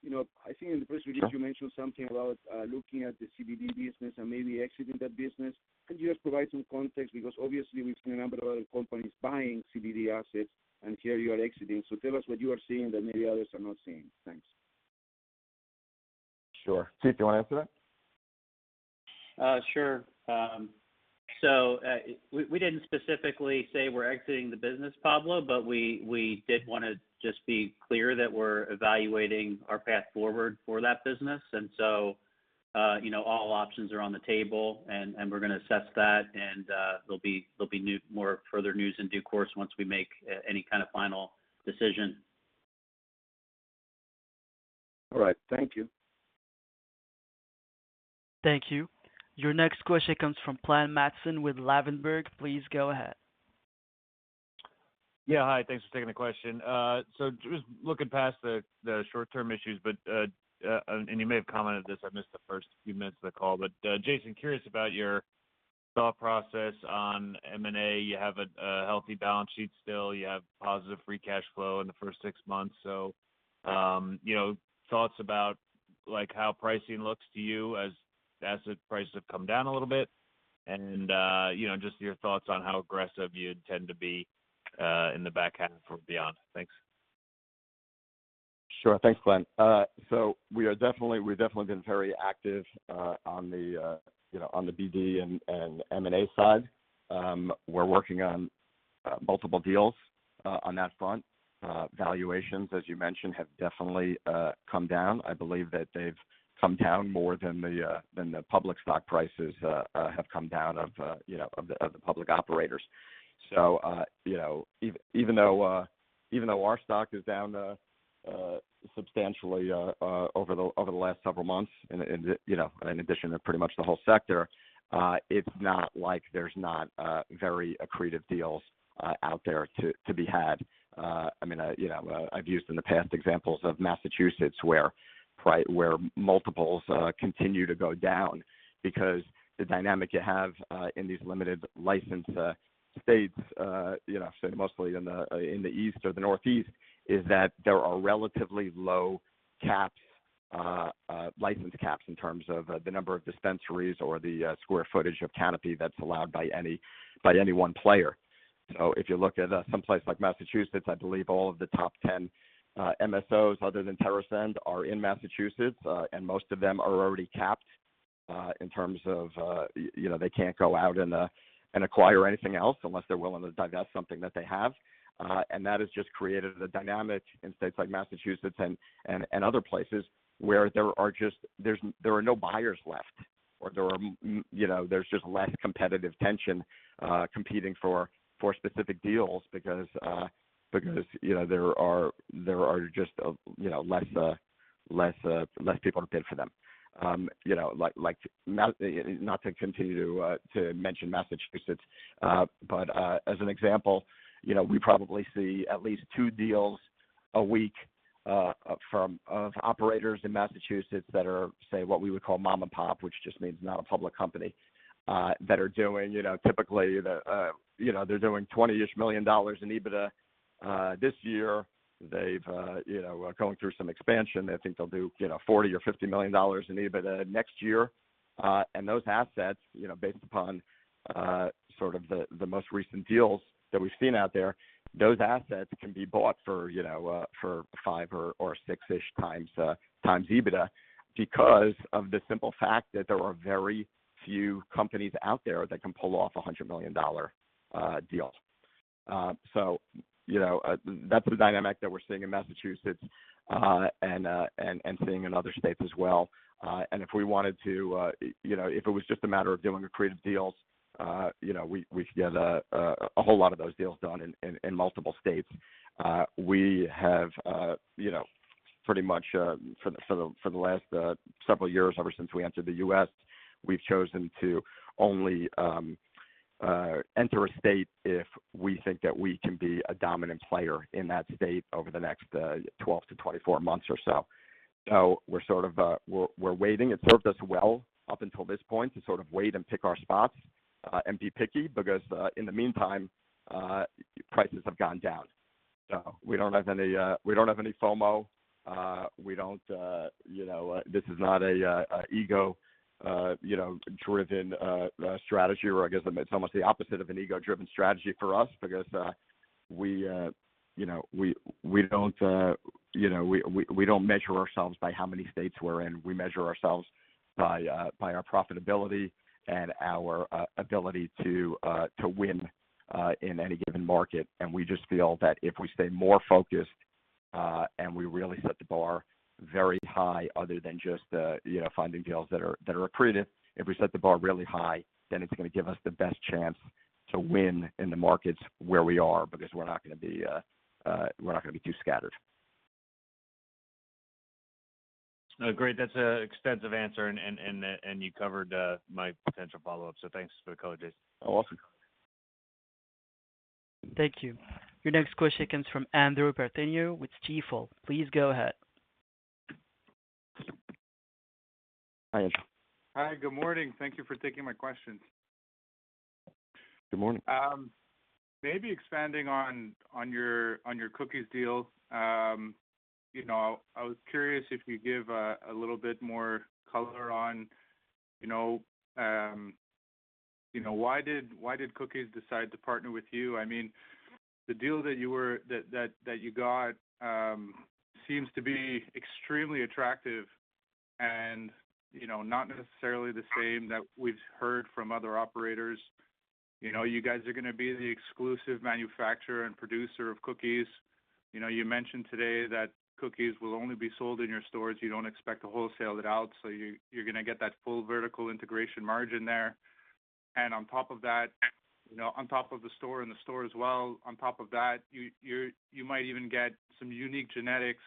Sure. I think in the press release you mentioned something about looking at the CBD business and maybe exiting that business. Could you just provide some context? Obviously we've seen a number of other companies buying CBD assets, and here you are exiting. Tell us what you are seeing that maybe others are not seeing? Thanks. Sure. Stauffer, do you want to answer that? Sure. We didn't specifically say we're exiting the business, Pablo, but we did want to just be clear that we're evaluating our path forward for that business. All options are on the table, and we're going to assess that and there'll be further news in due course once we make any kind of final decision. All right. Thank you. Thank you. Your next question comes from Glenn Mattson with Ladenburg. Please go ahead. Yeah. Hi, thanks for taking the question. Just looking past the short-term issues, and you may have commented this, I missed the first few minutes of the call, but Jason, curious about your thought process on M&A. You have a healthy balance sheet still. You have positive free cash flow in the first six months. Thoughts about how pricing looks to you as asset prices have come down a little bit and just your thoughts on how aggressive you'd tend to be in the back half or beyond. Thanks. Sure. Thanks, Glenn. We've definitely been very active on the BD and M&A side. We're working on multiple deals on that front. Valuations, as you mentioned, have definitely come down. I believe that they've come down more than the public stock prices have come down of the public operators. Even though our stock is down substantially over the last several months, and in addition to pretty much the whole sector, it's not like there's not very accretive deals out there to be had. I've used in the past examples of Massachusetts, where multiples continue to go down because the dynamic you have in these limited license states, mostly in the East or the Northeast, is that there are relatively low license caps in terms of the number of dispensaries or the square footage of canopy that's allowed by any one player. If you look at someplace like Massachusetts, I believe all of the top 10 MSOs other than TerrAscend are in Massachusetts, and most of them are already capped in terms of, they can't go out and acquire anything else unless they're willing to divest something that they have. That has just created a dynamic in states like Massachusetts and other places where there are no buyers left. There's just less competitive tension competing for specific deals because there are just less people to bid for them. Not to continue to mention Massachusetts, but as an example, we probably see at least two deals a week of operators in Massachusetts that are, say, what we would call mom and pop, which just means not a public company, that are doing typically, they're doing $20-ish million in EBITDA this year. They're going through some expansion. They think they'll do $40 or $50 million in EBITDA next year. Those assets, based upon the most recent deals that we've seen out there, those assets can be bought for five or six-ish times EBITDA because of the simple fact that there are very few companies out there that can pull off $100 million deals. That's the dynamic that we're seeing in Massachusetts, and seeing in other states as well. If it was just a matter of doing accretive deals, we could get a whole lot of those deals done in multiple states. Pretty much for the last several years, ever since we entered the U.S., we've chosen to only enter a state if we think that we can be a dominant player in that state over the next 12 to 24 months or so. We're waiting. It served us well up until this point to sort of wait and pick our spots and be picky because, in the meantime, prices have gone down. We don't have any FOMO. This is not an ego-driven strategy. Where I guess it's almost the opposite of an ego-driven strategy for us because we don't measure ourselves by how many states we're in. We measure ourselves by our profitability and our ability to win in any given market. We just feel that if we stay more focused, and we really set the bar very high, other than just finding deals that are accretive. If we set the bar really high, then it's going to give us the best chance to win in the markets where we are, because we're not going to be too scattered. Great. That's an extensive answer, and you covered my potential follow-up. Thanks for the color, Jason. Awesome. Thank you. Your next question comes from Andrew Partheniou with Stifel. Please go ahead. Hi, Andrew. Hi. Good morning. Thank you for taking my questions. Good morning. Maybe expanding on your Cookies deal. I was curious if you give a little bit more color on why did Cookies decide to partner with you? I mean, the deal that you got seems to be extremely attractive and not necessarily the same that we've heard from other operators. You guys are going to be the exclusive manufacturer and producer of Cookies. You mentioned today that Cookies will only be sold in your stores. You don't expect to wholesale it out, so you're going to get that full vertical integration margin there. On top of that, on top of the store-in-store as well, on top of that, you might even get some unique genetics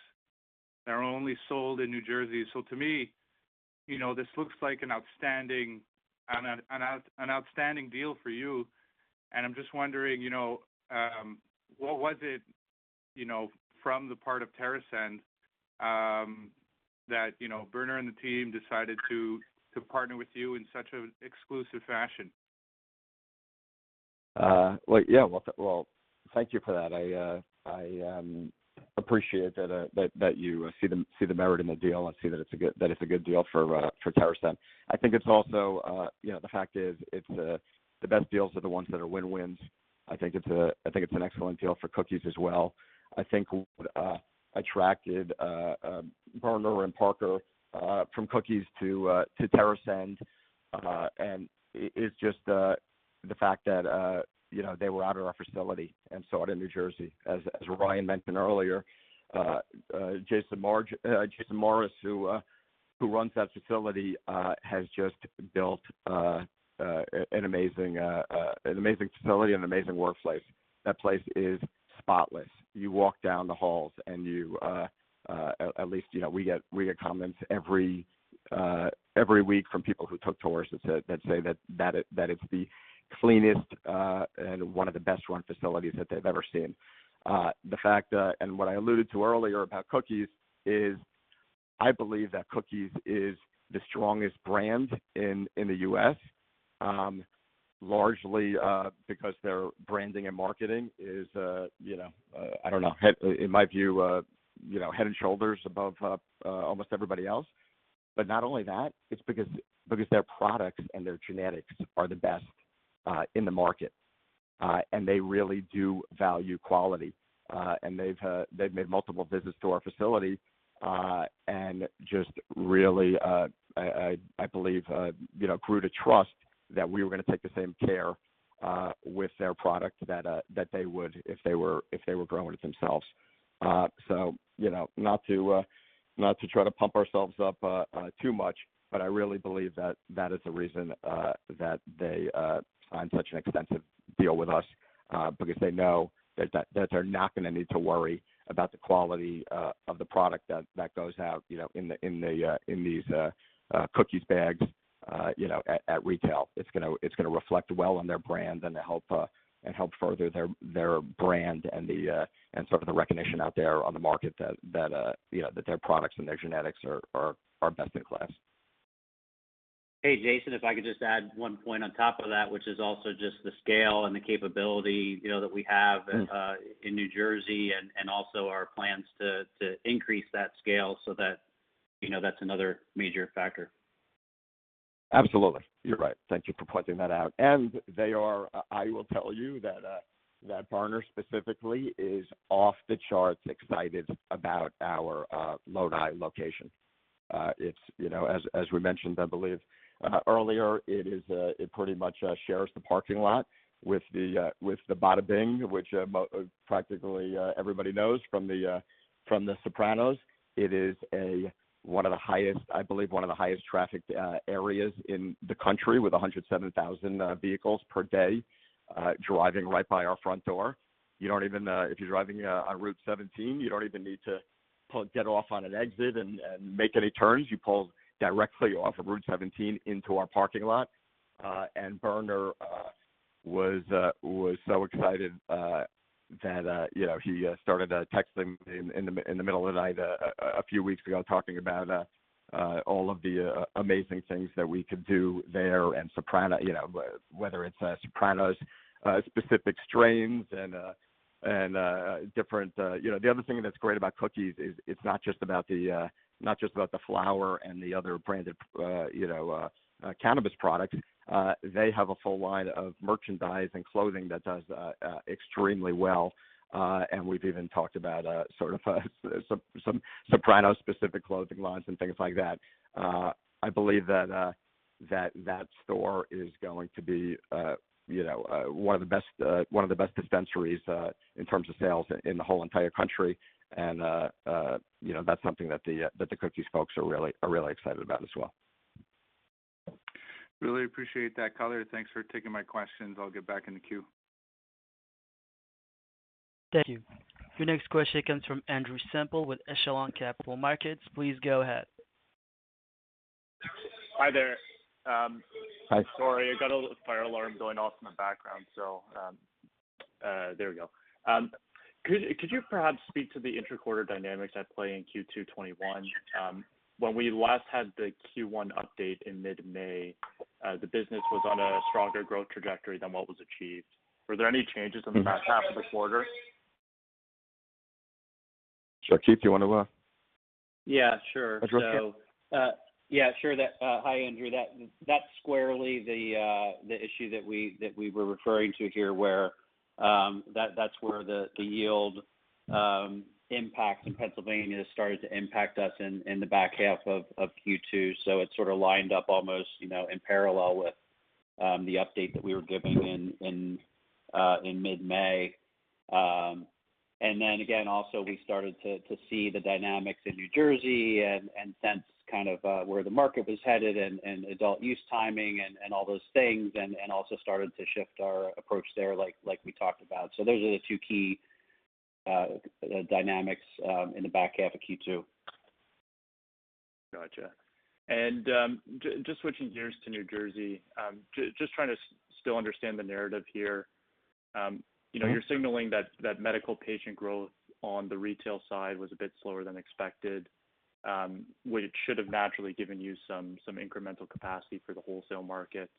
that are only sold in New Jersey. To me, this looks like an outstanding deal for you, and I'm just wondering, what was it, from the part of TerrAscend, that Berner and the team decided to partner with you in such an exclusive fashion? Well, thank you for that. I appreciate that you see the merit in the deal and see that it's a good deal for TerrAscend. I think it's also the fact is, the best deals are the ones that are win-wins. I think it's an excellent deal for Cookies as well. I think what attracted Berner and Parker from Cookies to TerrAscend, and is just the fact that they were out at our facility and saw it in New Jersey, as Ryan mentioned earlier. Jason Morris, who runs that facility, has just built an amazing facility and an amazing workplace. That place is spotless. You walk down the halls and at least, we get comments every week from people who took tours that say that it's the cleanest and one of the best-run facilities that they've ever seen. The fact that, and what I alluded to earlier about Cookies is, I believe that Cookies is the strongest brand in the U.S., largely because their branding and marketing is, I don't know, in my view head and shoulders above almost everybody else. Not only that, it's because their products and their genetics are the best in the market. They really do value quality. They've made multiple visits to our facility, and just really, I believe grew to trust that we were going to take the same care with their product that they would if they were growing it themselves. Not to try to pump ourselves up too much, but I really believe that that is a reason that they signed such an extensive deal with us, because they know that they're not going to need to worry about the quality of the product that goes out in these Cookies bags at retail. It's going to reflect well on their brand and help further their brand and sort of the recognition out there on the market that their products and their genetics are best in class. Hey, Jason, if I could just add 1 point on top of that, which is also just the scale and the capability that we have in New Jersey and also our plans to increase that scale so that's another major factor. Absolutely. You're right. Thank you for pointing that out. They are, I will tell you that Berner specifically is off the charts excited about our Lodi location. As we mentioned, I believe, earlier, it pretty much shares the parking lot with the Bada Bing, which practically everybody knows from The Sopranos. It is one of the highest, I believe one of the highest trafficked areas in the country with 107,000 vehicles per day driving right by our front door. If you're driving on Route 17, you don't even need to get off on an exit and make any turns. You pull directly off of Route 17 into our parking lot. Berner was so excited that he started texting in the middle of the night a few weeks ago, talking about all of the amazing things that we could do there, and whether it's Sopranos-specific strains. The other thing that's great about Cookies is it's not just about the flower and the other branded cannabis products. They have a full line of merchandise and clothing that does extremely well, and we've even talked about some Sopranos-specific clothing lines and things like that. I believe that store is going to be one of the best dispensaries in terms of sales in the whole entire country. That's something that the Cookies folks are really excited about as well. Really appreciate that, Color. Thanks for taking my questions. I'll get back in the queue. Thank you. Your next question comes from Andrew Semple with Echelon Capital Markets. Please go ahead. Hi there. Hi. Sorry, I got a little fire alarm going off in the background. There we go. Could you perhaps speak to the intra-quarter dynamics at play in Q2 2021? When we last had the Q1 update in mid-May, the business was on a stronger growth trajectory than what was achieved. Were there any changes in the back half of the quarter? Keith, do you want to- Yeah, sure. Address that? Yeah, sure. Hi, Andrew. That's squarely the issue that we were referring to here, where that's where the yield impacts in Pennsylvania started to impact us in the back half of Q2. It sort of lined up almost in parallel with the update that we were giving in mid-May. Then again, also, we started to see the dynamics in New Jersey and sense kind of where the market was headed and adult use timing and all those things, and also started to shift our approach there like we talked about. Those are the two key dynamics in the back half of Q2. Got you. Just switching gears to New Jersey, just trying to still understand the narrative here. You're signaling that medical patient growth on the retail side was a bit slower than expected, which should have naturally given you some incremental capacity for the wholesale market.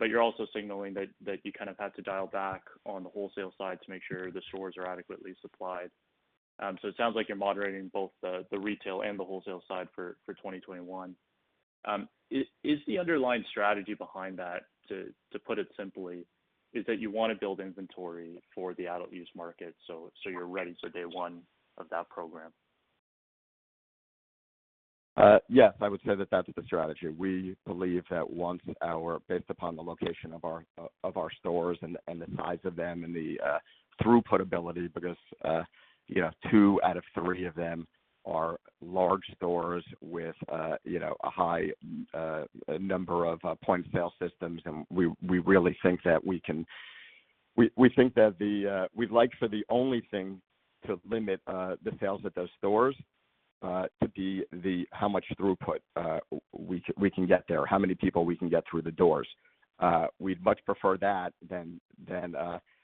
You're also signaling that you kind of had to dial back on the wholesale side to make sure the stores are adequately supplied. It sounds like you're moderating both the retail and the wholesale side for 2021. Is the underlying strategy behind that, to put it simply, is that you want to build inventory for the adult use market, so you're ready for day one of that program? Yes, I would say that that's the strategy. We believe that based upon the location of our stores and the size of them and the throughput ability, because two out of three of them are large stores with a high number of point-of-sale systems, and we think that we'd like for the only thing to limit the sales at those stores to be how much throughput we can get there, how many people we can get through the doors. We'd much prefer that than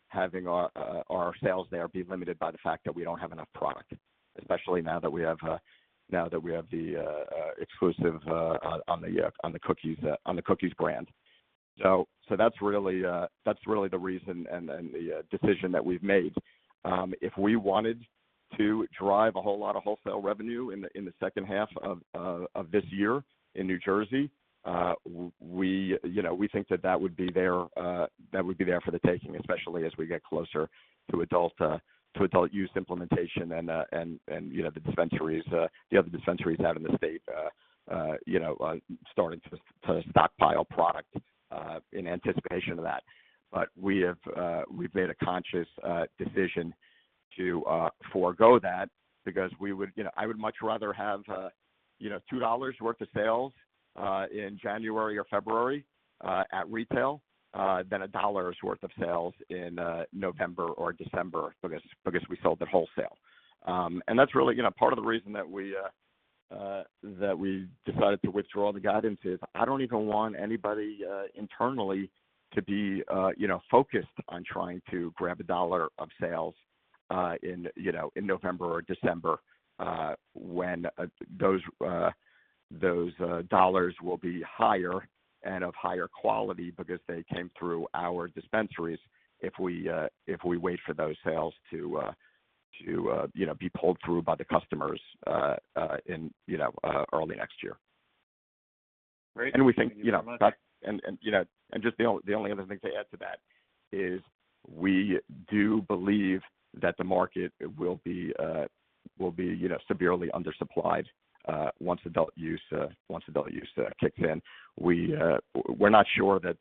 having our sales there be limited by the fact that we don't have enough product, especially now that we have the exclusive on the Cookies brand. That's really the reason and the decision that we've made. If we wanted to drive a whole lot of wholesale revenue in the second half of this year in New Jersey, we think that would be there for the taking, especially as we get closer to adult use implementation and the other dispensaries out in the state starting to stockpile product in anticipation of that. We've made a conscious decision to forego that because I would much rather have $2 worth of sales in January or February at retail than $1 worth of sales in November or December because we sold it wholesale. That's really part of the reason that we decided to withdraw the guidance is I don't even want anybody internally to be focused on trying to grab a dollar of sales in November or December, when those dollars will be higher and of higher quality because they came through our dispensaries if we wait for those sales to be pulled through by the customers early next year. Great. Thank you so much. Just the only other thing to add to that is we do believe that the market will be severely undersupplied once adult use kicks in. We're not sure that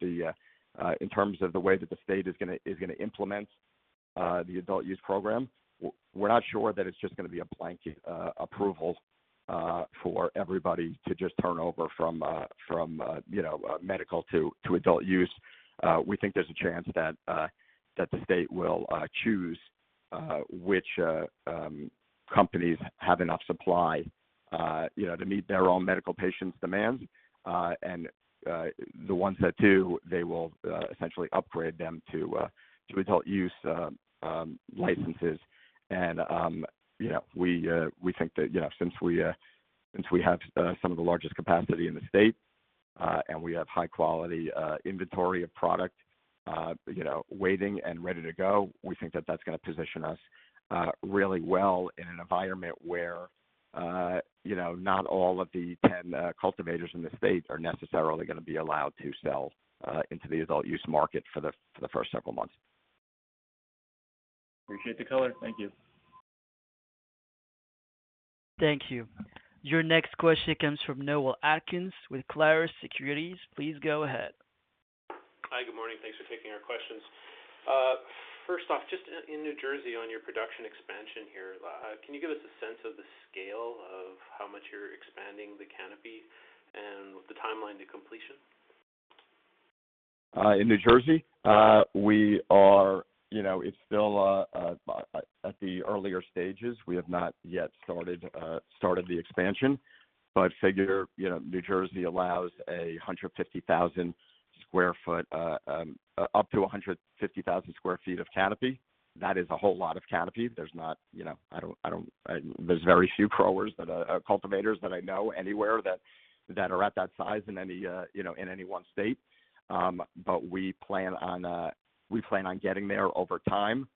in terms of the way that the state is going to implement the adult use program. We're not sure that it's just going to be a blanket approval for everybody to just turn over from medical to adult use. We think there's a chance that the state will choose which companies have enough supply to meet their own medical patients' demands. The ones that do, they will essentially upgrade them to adult use licenses. We think that since we have some of the largest capacity in the state, and we have high-quality inventory of product waiting and ready to go, we think that that's going to position us really well in an environment where not all of the 10 cultivators in the state are necessarily going to be allowed to sell into the adult use market for the first several months. Appreciate the color. Thank you. Thank you. Your next question comes from Noel Atkinson with Clarus Securities. Please go ahead. Hi. Good morning. Thanks for taking our questions. First off, just in New Jersey on your production expansion here, can you give us a sense of the scale of how much you're expanding the canopy and the timeline to completion? In New Jersey, it's still at the earlier stages. We have not yet started the expansion. Figure, New Jersey allows up to 150,000 sq ft of canopy. That is a whole lot of canopy. There's very few cultivators that I know anywhere that are at that size in any one state. We plan on getting there over time.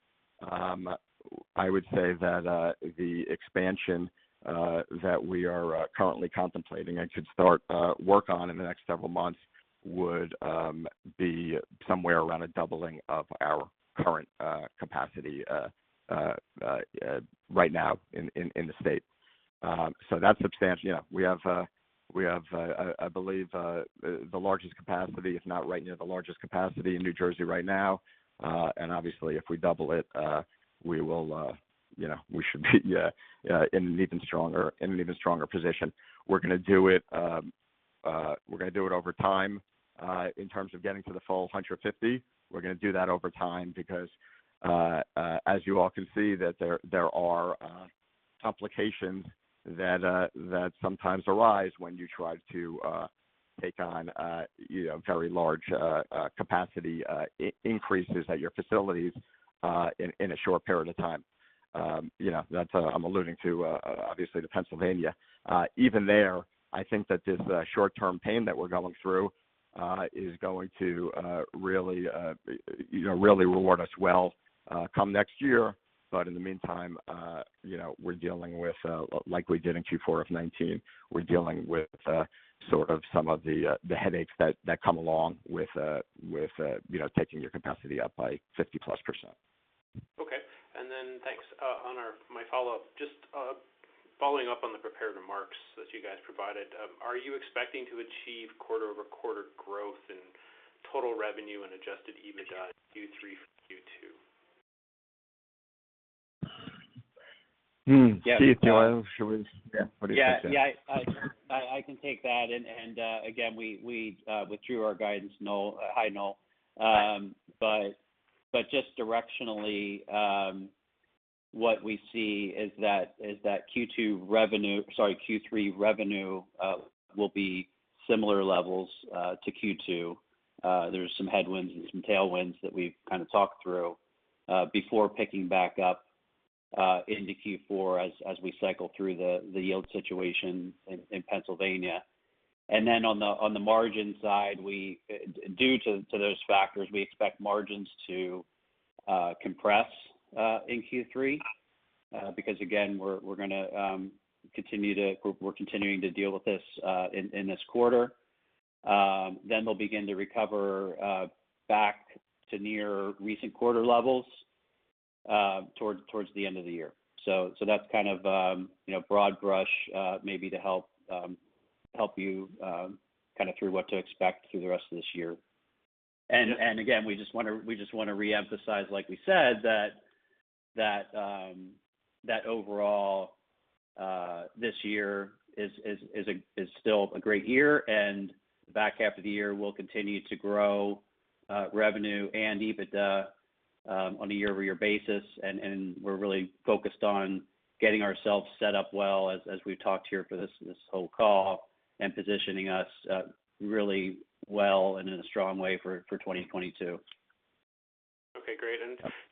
I would say that the expansion that we are currently contemplating and should start work on in the next several months would be somewhere around a doubling of our current capacity right now in the state. That's substantial. We have, I believe, the largest capacity, if not right near the largest capacity in New Jersey right now. Obviously, if we double it, we should be in an even stronger position. We're going to do it over time, in terms of getting to the full 150. We're going to do that over time because, as you all can see, there are complications that sometimes arise when you try to take on very large capacity increases at your facilities in a short period of time. I'm alluding to, obviously, to Pennsylvania. Even there, I think that this short-term pain that we're going through is going to really reward us well come next year. In the meantime, like we did in Q4 of 2019, we're dealing with sort of some of the headaches that come along with taking your capacity up by 50%+. Okay. Then, thanks. On my follow-up, just following up on the prepared remarks that you guys provided, are you expecting to achieve quarter-over-quarter growth in total revenue and adjusted EBITDA in Q3 from Q2? Keith, do you want to, or what do you think, Keith? Yeah. I can take that. Again, we withdrew our guidance, I'll note. Just directionally, what we see is that Q2 revenue, sorry, Q3 revenue will be similar levels to Q2. There's some headwinds and some tailwinds that we've kind of talked through before picking back up into Q4 as we cycle through the yield situation in Pennsylvania. On the margin side, due to those factors, we expect margins to compress in Q3 because, again, we're continuing to deal with this in this quarter. They'll begin to recover back to near recent quarter levels towards the end of the year. That's kind of broad brush maybe to help you kind of through what to expect through the rest of this year. Again, we just want to reemphasize, like we said, that overall this year is still a great year, and the back half of the year will continue to grow revenue and EBITDA on a year-over-year basis. We're really focused on getting ourselves set up well as we've talked here for this whole call and positioning us really well and in a strong way for 2022. Okay, great.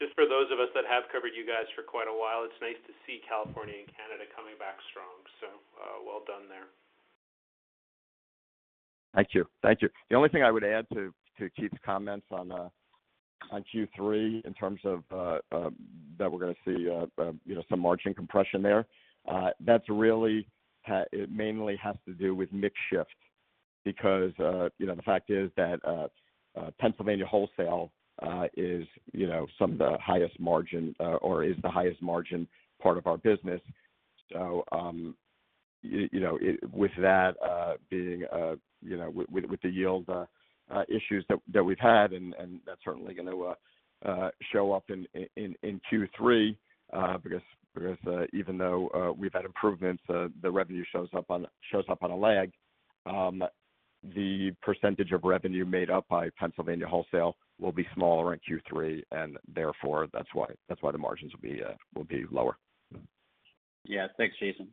Just for those of us that have covered you guys for quite a while, it's nice to see California and Canada coming back strong, so well done there. Thank you. The only thing I would add to Keith's comments on Q3 in terms of that we're going to see some margin compression there, that really mainly has to do with mix shift because the fact is that Pennsylvania wholesale is the highest margin part of our business. With the yield issues that we've had, and that's certainly going to show up in Q3 because even though we've had improvements, the revenue shows up on a lag. The percentage of revenue made up by Pennsylvania wholesale will be smaller in Q3, therefore, that's why the margins will be lower. Yeah. Thanks, Jason.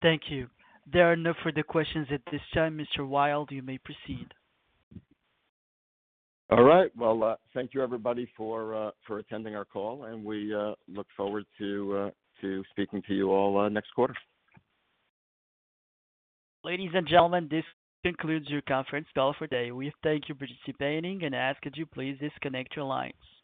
Thank you. There are no further questions at this time. Mr. Wild, you may proceed. Ladies and gentlemen, this concludes your conference call for today. We thank you for participating and ask that you please disconnect your lines.